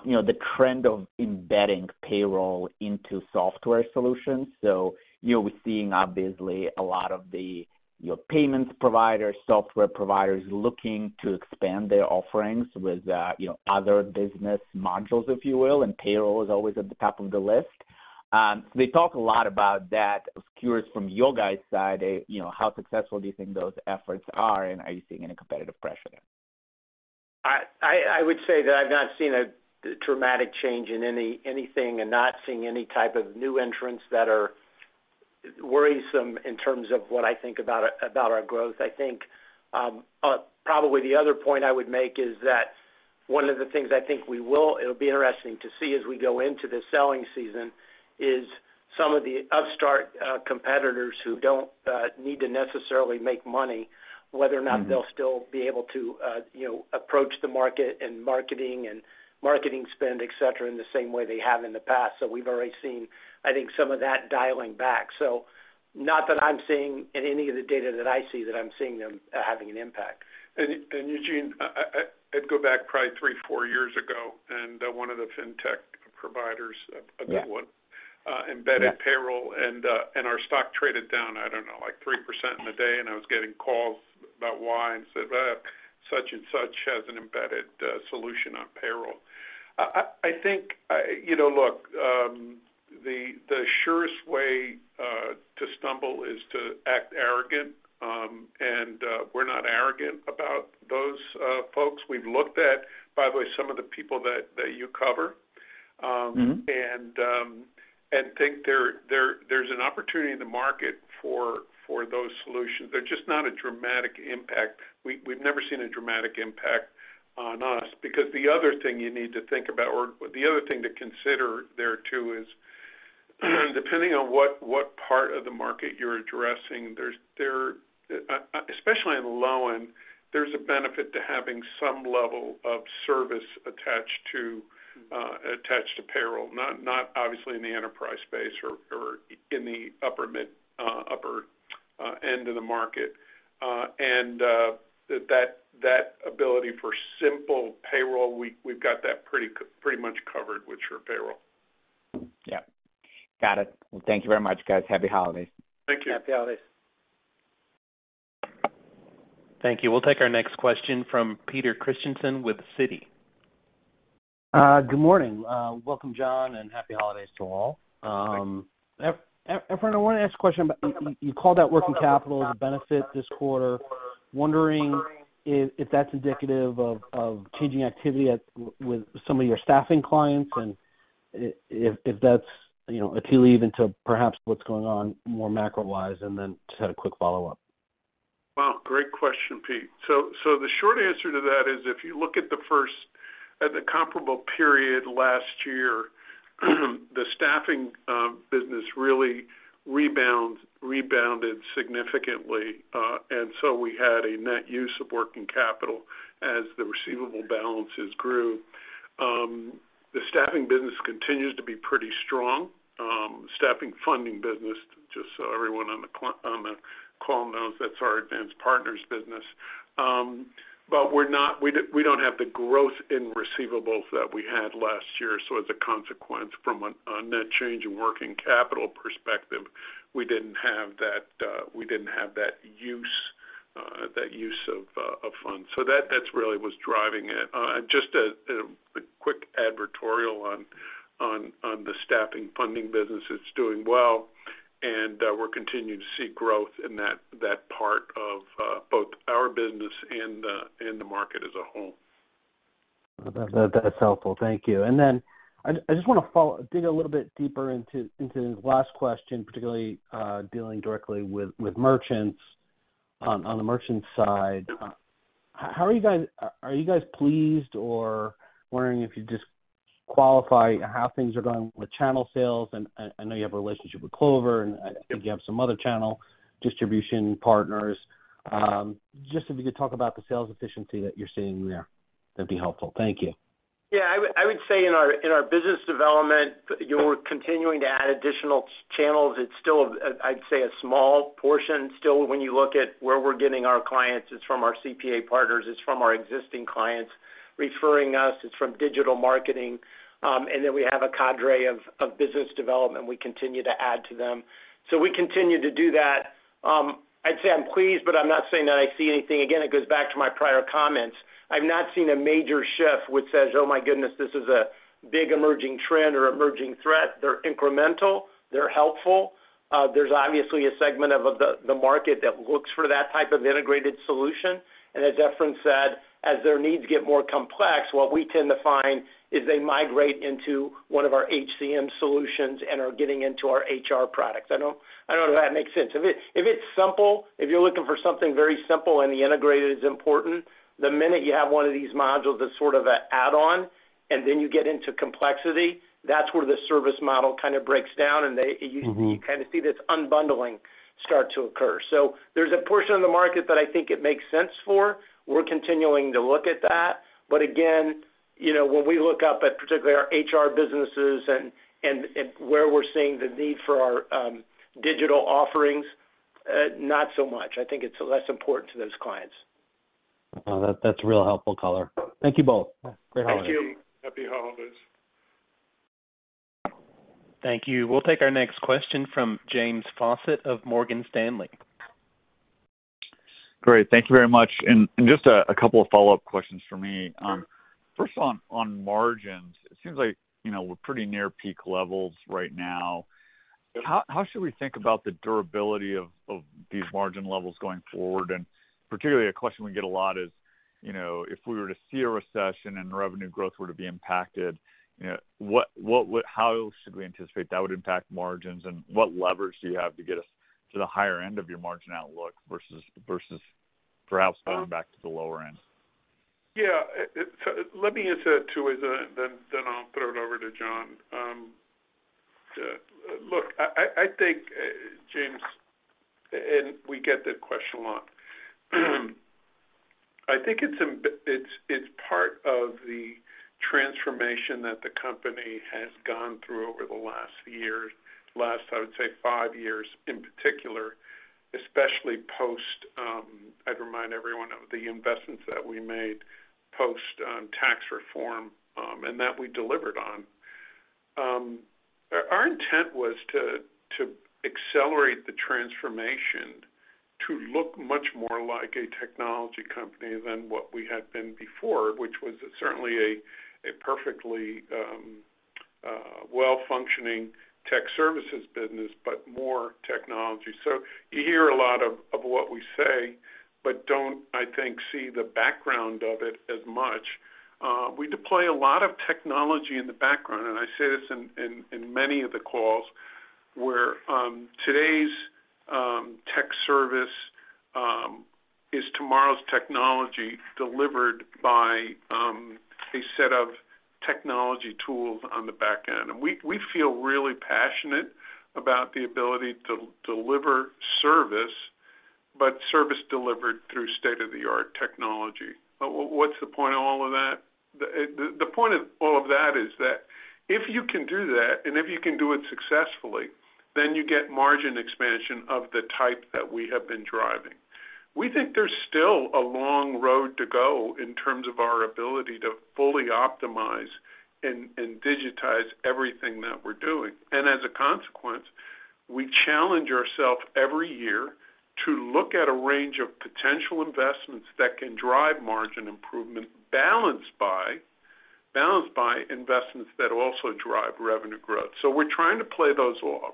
you know, the trend of embedding payroll into software solutions. You know, we're seeing obviously a lot of the, your payments providers, software providers looking to expand their offerings with, you know, other business modules, if you will, and payroll is always at the top of the list. We talk a lot about that. Curious from your guys' side, you know, how successful do you think those efforts are, and are you seeing any competitive pressure there? I would say that I've not seen a dramatic change in anything and not seeing any type of new entrants that are worrisome in terms of what I think about our growth. I think, probably the other point I would make is that one of the things I think we will, it'll be interesting to see as we go into the selling season, is some of the upstart competitors who don't need to necessarily make money, whether or not they'll still be able to, you know, approach the market and marketing and marketing spend, et cetera, in the same way they have in the past. We've already seen, I think, some of that dialing back. Not that I'm seeing in any of the data that I see, that I'm seeing them having an impact. Eugene, I'd go back probably three, four years ago, and one of the fintech. Yeah a big one, embedded payroll and our stock traded down, I don't know 3% in a day. I was getting calls about why and said, well, such and such has an embedded solution on payroll. I think, you know, look, the surest way to stumble is to act arrogant. We're not arrogant about those folks. We've looked at, by the way, some of the people that you cover. Mm-hmm. Think there's an opportunity in the market for those solutions. They're just not a dramatic impact. We've never seen a dramatic impact on us because the other thing you need to think about or the other thing to consider there too is depending on what part of the market you're addressing, there's, there, especially in the low end, there's a benefit to having some level of service attached to. Mm-hmm... attached to payroll, not obviously in the enterprise space or in the upper mid, upper end of the market. That ability for simple payroll, we've got that pretty much covered with SurePayroll. Yeah. Got it. Well, thank you very much, guys. Happy holidays. Thank you. Happy holidays. Thank you. We'll take our next question from Peter Christensen with Citi. Good morning. Welcome John, and happy holidays to all. Thanks. Efrain, I wanna ask a question about you called out working capital as a benefit this quarter. Wondering if that's indicative of changing activity with some of your staffing clients, and if that's, you know, a key lead into perhaps what's going on more macro-wise, and then just had a quick follow-up. Great question, Peter Christensen. So the short answer to that is if you look at the comparable period last year, the staffing business really rebounded significantly. We had a net use of working capital as the receivable balances grew. The staffing business continues to be pretty strong. Staffing funding business, just so everyone on the call knows, that's our Advance Partners business. We're not, we don't have the growth in receivables that we had last year. As a consequence from a net change in working capital perspective, we didn't have that, we didn't have that use, that use of funds. That's really what's driving it. Just a quick advertorial on the staffing funding business, it's doing well, and we're continuing to see growth in that part of both our business and the market as a whole. That's helpful. Thank you. I just wanna follow, dig a little bit deeper into the last question, particularly, dealing directly with merchants on the merchant side. How are you guys? Are you guys pleased or wondering if you just qualify how things are going with channel sales? I know you have a relationship with Clover, and I think you have some other channel distribution partners. Just if you could talk about the sales efficiency that you're seeing there, that'd be helpful. Thank you. I would say in our business development, you're continuing to add additional channels. It's still a, I'd say a small portion still when you look at where we're getting our clients. It's from our CPA partners. It's from our existing clients referring us. It's from digital marketing. And then we have a cadre of business development. We continue to add to them. We continue to do that. I'd say I'm pleased, but I'm not saying that I see anything. It goes back to my prior comments. I've not seen a major shift which says, "Oh my goodness, this is a big emerging trend or emerging threat." They're incremental. They're helpful. There's obviously a segment of the market that looks for that type of integrated solution. As Efrain said, as their needs get more complex, what we tend to find is they migrate into one of our HCM solutions and are getting into our HR products. I don't know if that makes sense. If it's simple, if you're looking for something very simple and the integrated is important, the minute you have one of these modules as sort of a add-on, and then you get into complexity, that's where the service model kind of breaks down, and they- Mm-hmm you kind of see this unbundling start to occur. There's a portion of the market that I think it makes sense for. We're continuing to look at that. Again, you know, when we look up at particularly our HR businesses and where we're seeing the need for our digital offerings, not so much. I think it's less important to those clients. That's real helpful color. Thank you both. Great holidays. Thank you. Happy holidays. Thank you. We'll take our next question from James Faucette of Morgan Stanley. Great. Thank you very much. Just a couple of follow-up questions from me. First on margins, it seems like, you know, we're pretty near peak levels right now. How should we think about the durability of these margin levels going forward? Particularly a question we get a lot is, you know, if we were to see a recession and revenue growth were to be impacted, you know, how should we anticipate that would impact margins, and what leverage do you have to get us to the higher end of your margin outlook versus perhaps falling back to the lower end? Let me answer that too, as then I'll throw it over to John. Look, I think James, we get that question a lot. I think it's part of the transformation that the company has gone through over the last year, last, I would say, five years in particular, especially post I'd remind everyone of the investments that we made post tax reform, and that we delivered on. Our intent was to accelerate the transformation to look much more like a technology company than what we had been before, which was certainly a perfectly well-functioning tech services business, but more technology. You hear a lot of what we say, but don't, I think, see the background of it as much. We deploy a lot of technology in the background, I say this in many of the calls, where today's tech service is tomorrow's technology delivered by a set of technology tools on the back end. We feel really passionate about the ability to deliver service, but service delivered through state-of-the-art technology. What's the point of all of that? The point of all of that is that if you can do that, and if you can do it successfully, then you get margin expansion of the type that we have been driving. We think there's still a long road to go in terms of our ability to fully optimize and digitize everything that we're doing. As a consequence, we challenge ourself every year to look at a range of potential investments that can drive margin improvement balanced by investments that also drive revenue growth. We're trying to play those off.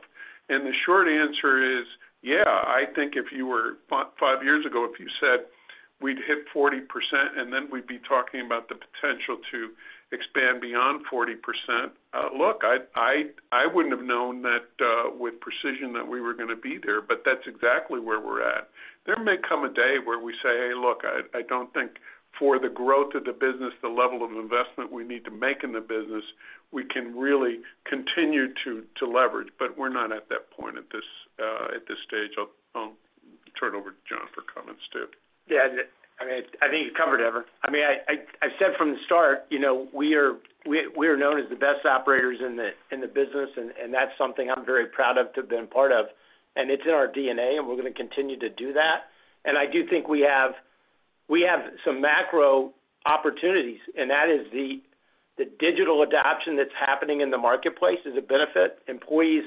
The short answer is, yeah, I think if you were five years ago, if you said we'd hit 40% and then we'd be talking about the potential to expand beyond 40%, look, I wouldn't have known that with precision that we were gonna be there, but that's exactly where we're at. There may come a day where we say, "Hey, look, I don't think for the growth of the business, the level of investment we need to make in the business, we can really continue to leverage." We're not at that point at this stage. I'll turn it over to John for comments too. Yeah, I mean, I think you covered it, Ever. I mean, I said from the start, you know, we are known as the best operators in the business, and that's something I'm very proud of to have been part of. It's in our DNA, and we're gonna continue to do that. I do think we have some macro opportunities, and that is the digital adoption that's happening in the marketplace is a benefit. Employees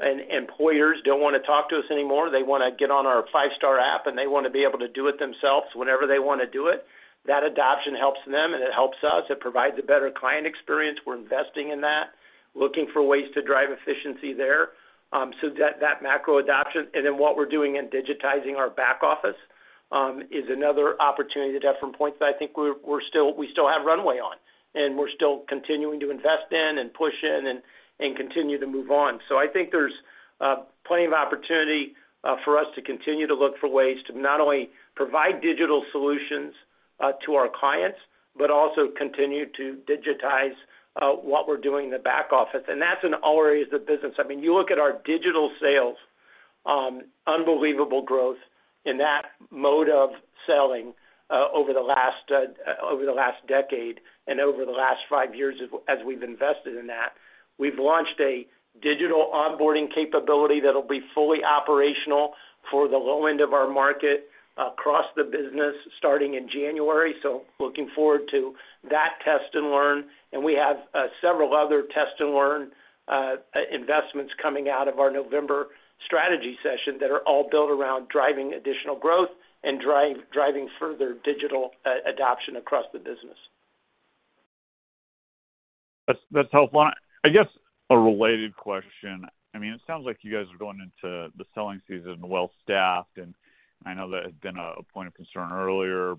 and employers don't wanna talk to us anymore. They wanna get on our five-star app, and they wanna be able to do it themselves whenever they wanna do it. That adoption helps them, and it helps us. It provides a better client experience. We're investing in that, looking for ways to drive efficiency there. That macro adoption, and then what we're doing in digitizing our back office, is another opportunity to have some points that I think we still have runway on, and we're still continuing to invest in and push in and continue to move on. I think there's plenty of opportunity for us to continue to look for ways to not only provide digital solutions to our clients, but also continue to digitize what we're doing in the back office. That's in all areas of the business. I mean, you look at our digital sales, unbelievable growth in that mode of selling over the last decade and over the last five years as we've invested in that. We've launched a digital onboarding capability that'll be fully operational for the low end of our market across the business starting in January, so looking forward to that test and learn. We have several other test and learn investments coming out of our November strategy session that are all built around driving additional growth and driving further digital adoption across the business. That's helpful. I guess a related question. I mean, it sounds like you guys are going into the selling season well-staffed, and I know that had been a point of concern earlier.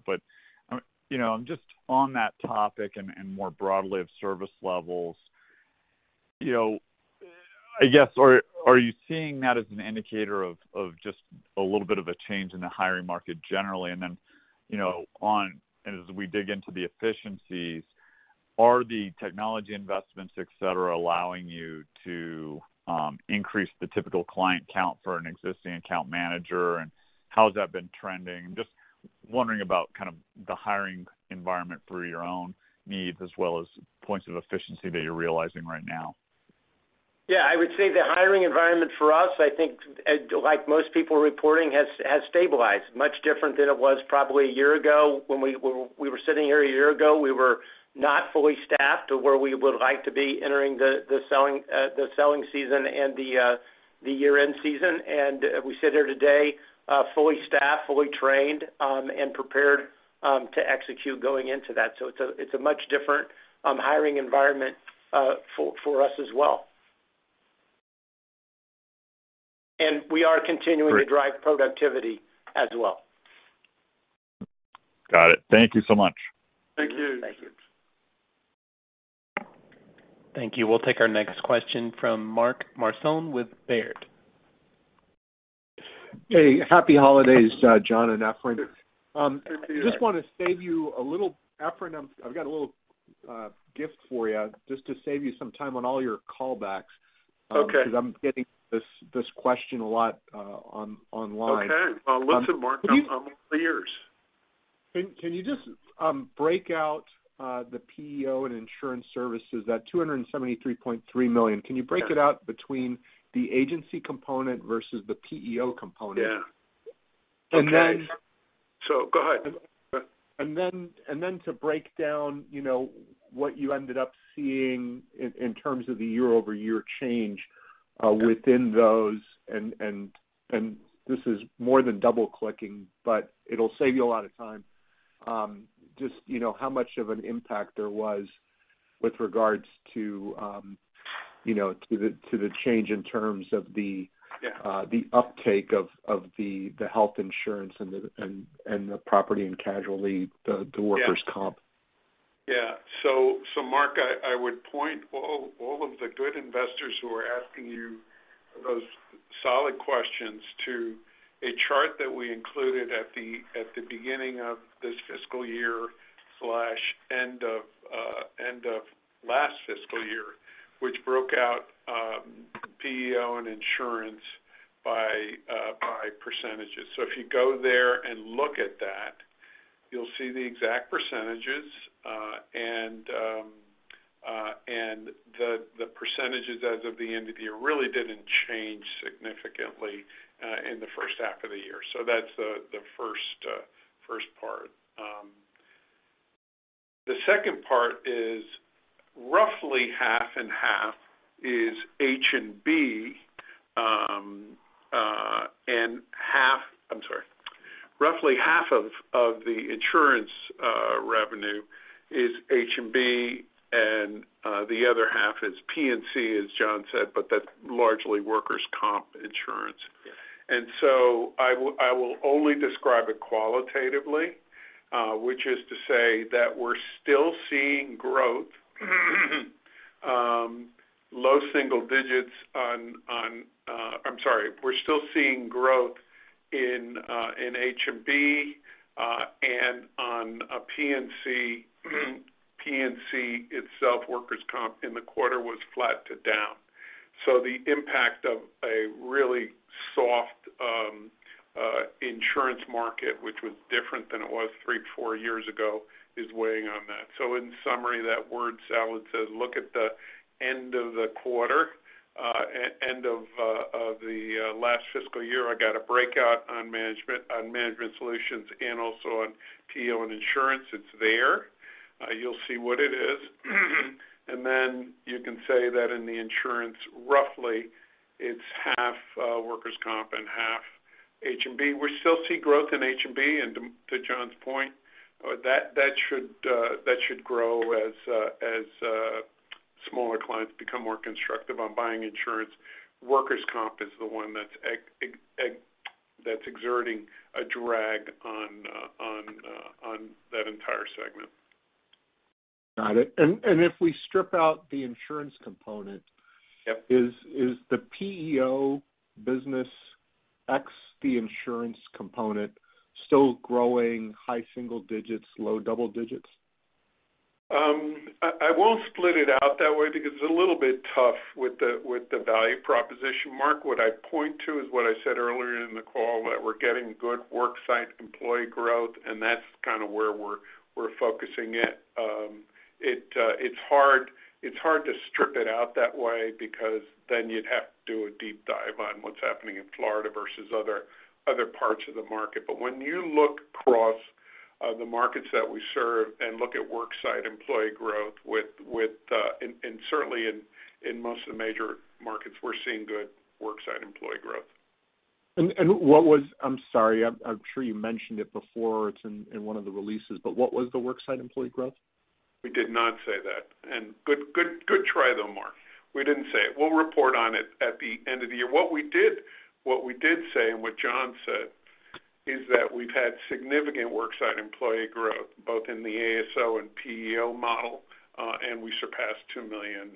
I mean, you know, just on that topic and, more broadly of service levels, you know, I guess are you seeing that as an indicator of just a little bit of a change in the hiring market generally? You know, and as we dig into the efficiencies, are the technology investments, et cetera, allowing you to increase the typical client count for an existing account manager, and how has that been trending? I'm just wondering about kind of the hiring environment through your own needs as well as points of efficiency that you're realizing right now. Yeah. I would say the hiring environment for us, I think, like most people are reporting, has stabilized, much different than it was probably a year ago. When we were sitting here a year ago, we were not fully staffed to where we would like to be entering the selling season and the year-end season. We sit here today, fully staffed, fully trained, and prepared to execute going into that. It's a much different hiring environment for us as well. We are continuing- Great to drive productivity as well. Got it. Thank you so much. Thank you. Thank you. Thank you. We'll take our next question from Mark Marcon with Baird. Hey, happy holidays, John and Efrain. Same to you. I just wanna save you Efrain, I've got a little gift for you just to save you some time on all your callbacks. Okay... 'cause I'm getting this question a lot, online. Okay. Well, listen, Mark- Um, can you- I'm all ears. Can you just break out the PEO and insurance services, that $273.3 million? Yeah Can you break it out between the agency component versus the PEO component? Yeah. And then. Go ahead.... and then to break down, you know, what you ended up seeing in terms of the year-over-year change, within those and this is more than double-clicking, but it'll save you a lot of time. Just, you know, how much of an impact there was with regards to, you know, to the, to the change in terms of the... Yeah... the uptake of the health insurance and the Property and Casualty the workers' comp. Yeah. Mark, I would point all of the good investors who are asking you those solid questions to a chart that we included at the beginning of this fiscal year/end of last fiscal year, which broke out PEO and insurance by percentages. If you go there and look at that, you'll see the exact percentages. The percentages as of the end of the year really didn't change significantly in the first half of the year. That's the first part. The second part is roughly half and half is H&B. Roughly half of the insurance revenue is H&B, and the other half is P&C, as John said, but that's largely workers' comp insurance. Yeah. I will only describe it qualitatively, which is to say that we're still seeing growth, low single digits. We're still seeing growth in H&B, and on P&C. P&C itself, workers' comp in the quarter was flat to down. The impact of a really soft insurance market, which was different than it was 3-4 years ago, is weighing on that. In summary, that word salad says, look at the end of the quarter, end of the last fiscal year. I got a breakout on management, on Management Solutions and also on PEO and insurance. It's there. You'll see what it is. You can say that in the insurance, roughly, it's half workers' comp and half H&B. We still see growth in H&B, to John's point, that should grow as smaller clients become more constructive on buying insurance. Workers' comp is the one that's exerting a drag on that entire segment. Got it. If we strip out the insurance component- Yep... is the PEO business x the insurance component still growing high single digits, low double digits? I won't split it out that way because it's a little bit tough with the, with the value proposition, Mark. What I'd point to is what I said earlier in the call, that we're getting good work site employee growth, and that's kinda where we're focusing it. It's hard to strip it out that way because then you'd have to do a deep dive on what's happening in Florida versus other parts of the market. When you look across the markets that we serve and look at work site employee growth with, and certainly in most of the major markets, we're seeing good work site employee growth. What was, I'm sorry, I'm sure you mentioned it before. It's in one of the releases, but what was the work site employee growth? We did not say that. Good try, though, Mark. We didn't say it. We'll report on it at the end of the year. What we did say, and what John said, is that we've had significant work site employee growth, both in the ASO and PEO model, and we surpassed 2 million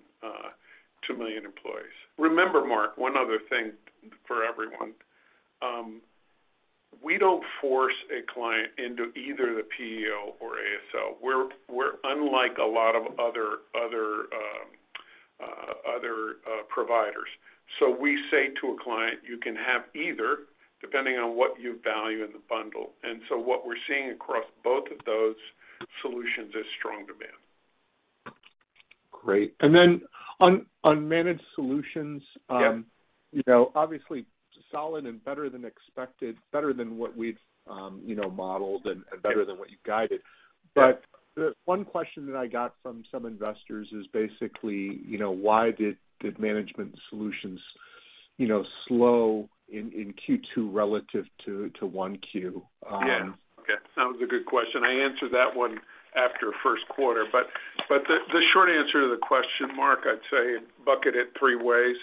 employees. Remember, Mark, one other thing for everyone, we don't force a client into either the PEO or ASO. We're unlike a lot of other providers. We say to a client, you can have either, depending on what you value in the bundle. What we're seeing across both of those solutions is strong demand. Great. Then on Managed Solutions- Yeah... you know, obviously solid and better than expected, better than what we've, you know, modeled and better than what you've guided. The one question that I got from some investors is basically, you know, why did the Management Solutions, you know, slow in Q2 relative to 1Q? Yeah. Okay. That was a good question. I answered that one after first quarter, but the short answer to the question, Mark, I'd say bucket it three ways.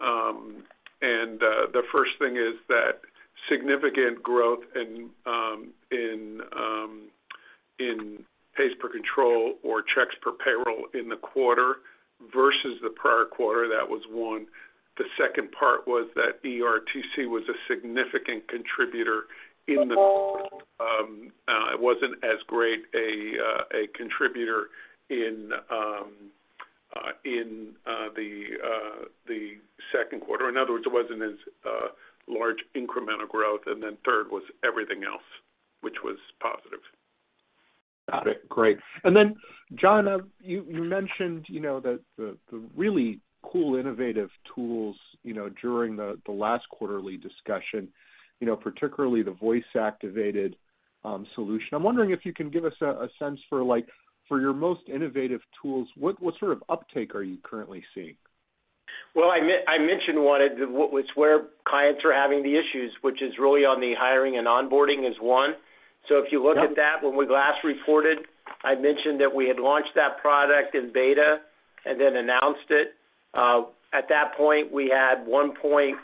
The first thing is that significant growth in pace per control or checks per payroll in the quarter versus the prior quarter, that was one. The second part was that ERTC was a significant contributor in the it wasn't as great a contributor in the Q2. In other words, it wasn't as large incremental growth. Third was everything else, which was positive Got it. Great. Then John, you mentioned, you know, that the really cool innovative tools, you know, during the last quarterly discussion, you know, particularly the voice-activated solution. I'm wondering if you can give us a sense for like, for your most innovative tools, what sort of uptake are you currently seeing? Well, I mentioned one of the where clients are having the issues, which is really on the hiring and onboarding is one. If you look at that, when we last reported, I mentioned that we had launched that product in beta and then announced it. At that point, we had 1.1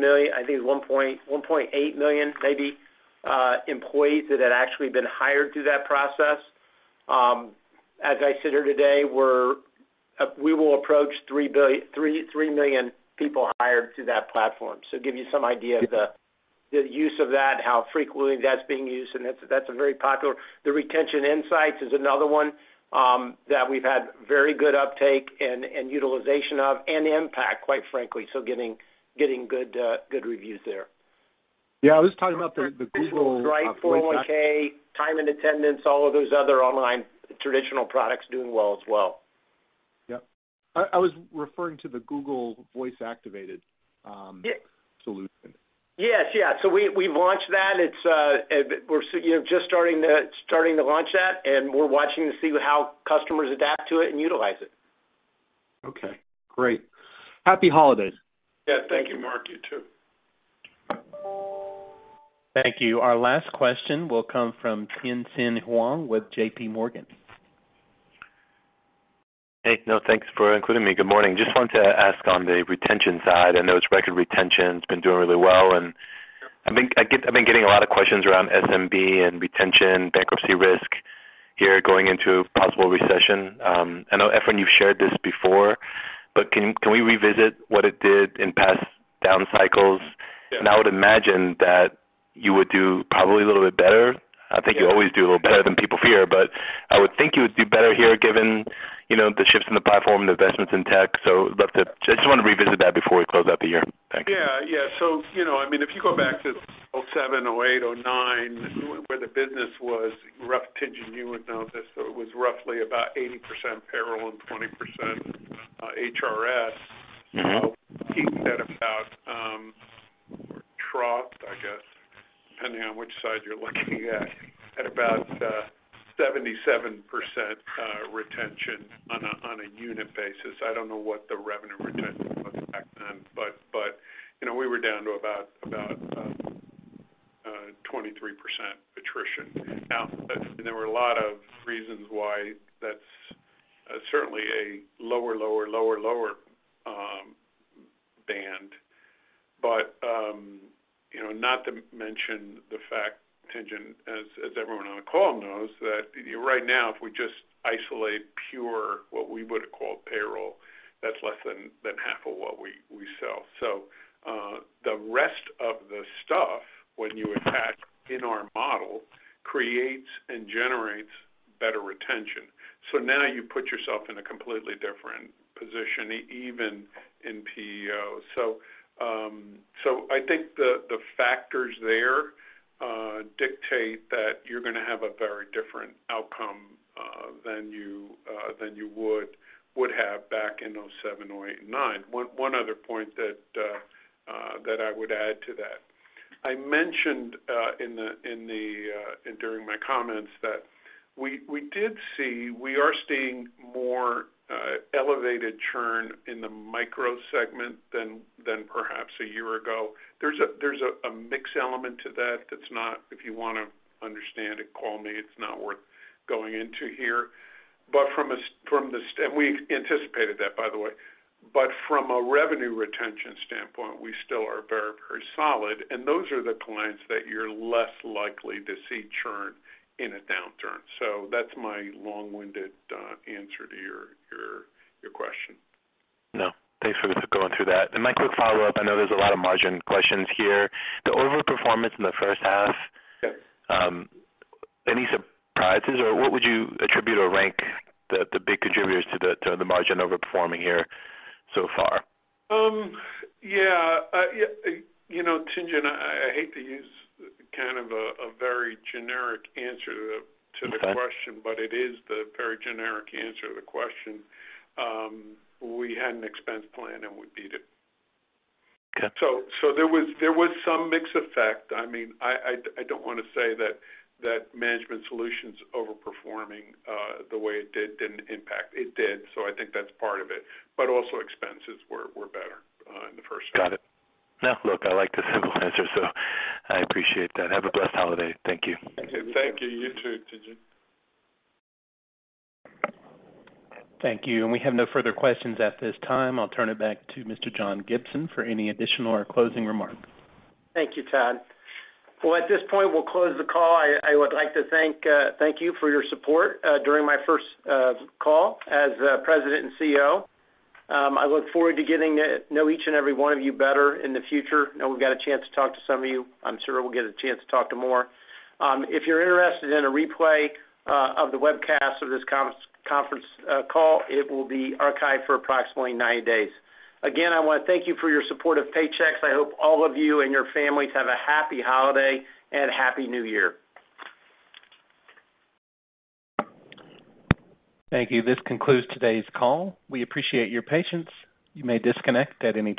million. I think 1.8 million maybe, employees that had actually been hired through that process. As I sit here today, we will approach 3 million people hired through that platform. Give you some idea of the use of that and how frequently that's being used, and that's a very popular. Paychex Retention Insights is another one that we've had very good uptake and utilization of, and impact, quite frankly. Getting good reviews there. Yeah, I was talking about the Google- That's right. -uh, voice act- 401(k), time and attendance, all of those other online traditional products doing well as well. Yep. I was referring to the Google voice-activated. Yeah... solution. Yes. Yeah. We, we've launched that. It's, we're, you know, starting to launch that, and we're watching to see how customers adapt to it and utilize it. Okay. Great. Happy holidays. Yeah. Thank you, Mark. You too. Thank you. Our last question will come from Tien-Tsin Huang with J.P. Morgan. Hey. No, thanks for including me. Good morning. Just wanted to ask on the retention side. I know it's record retention. It's been doing really well, and I think I've been getting a lot of questions around SMB and retention, bankruptcy risk here going into possible recession. I know, Efrain, you've shared this before, but can we revisit what it did in past down cycles? Yeah. I would imagine that you would do probably a little bit better. I think you always do a little better than people fear, but I would think you would do better here given, you know, the shifts in the platform, the investments in tech. I just wanna revisit that before we close out the year. Thanks. Yeah. Yeah. you know, I mean, if you go back to 2007, 2008, 2009, where the business was rough, Tien-Tsin, you would know this, it was roughly about 80% payroll and 20% HRS. Mm-hmm. He said about, trough, I guess, depending on which side you're looking at about, 77%, retention on a unit basis. I don't know what the revenue retention was back then, but, you know, we were down to about, 23% attrition. Now, that's. There were a lot of reasons why that's, certainly a lower, lower band. You know, not to mention the fact, Tien-Tsin, as everyone on the call knows that right now, if we just isolate pure what we would call payroll, that's less than half of what we sell. The rest of the stuff when you attach in our model creates and generates better retention. Now you put yourself in a completely different position, even in PEOs. I think the factors there dictate that you're gonna have a very different outcome than you would have back in 2007, 2008, and 2009. One other point that I would add to that. I mentioned in the and during my comments that we did see, we are seeing more elevated churn in the micro segment than perhaps a year ago. There's a mix element to that that's not... If you wanna understand it, call me. It's not worth going into here. We anticipated that, by the way. From a revenue retention standpoint, we still are very, very solid, and those are the clients that you're less likely to see churn in a downturn. That's my long-winded answer to your question. No, thanks for going through that. My quick follow-up, I know there's a lot of margin questions here. The overperformance in the first half... Okay... any surprises, or what would you attribute or rank the big contributors to the, to the margin overperforming here so far? Yeah. You know, Tien-Tsin, I hate to use kind of a very generic answer to the question. Okay It is the very generic answer to the question. We had an expense plan. We beat it. Okay. There was some mix effect. I mean, I don't wanna say that management solutions overperforming the way it did didn't impact. It did. I think that's part of it, but also expenses were better in the first half. Got it. No, look, I like the simple answer, so I appreciate that. Have a blessed holiday. Thank you. Thank you. You too, Tien-Tsin. Thank you. We have no further questions at this time. I'll turn it back to Mr. John Gibson for any additional or closing remarks. Thank you, Todd. Well, at this point, we'll close the call. I would like to thank you for your support during my first call as president and CEO. I look forward to getting to know each and every one of you better in the future. I know we've got a chance to talk to some of you. I'm sure we'll get a chance to talk to more. If you're interested in a replay of the webcast of this conference call, it will be archived for approximately 90 days. I wanna thank you for your support of Paychex. I hope all of you and your families have a happy holiday and Happy New Year. Thank you. This concludes today's call. We appreciate your patience. You may disconnect at any time.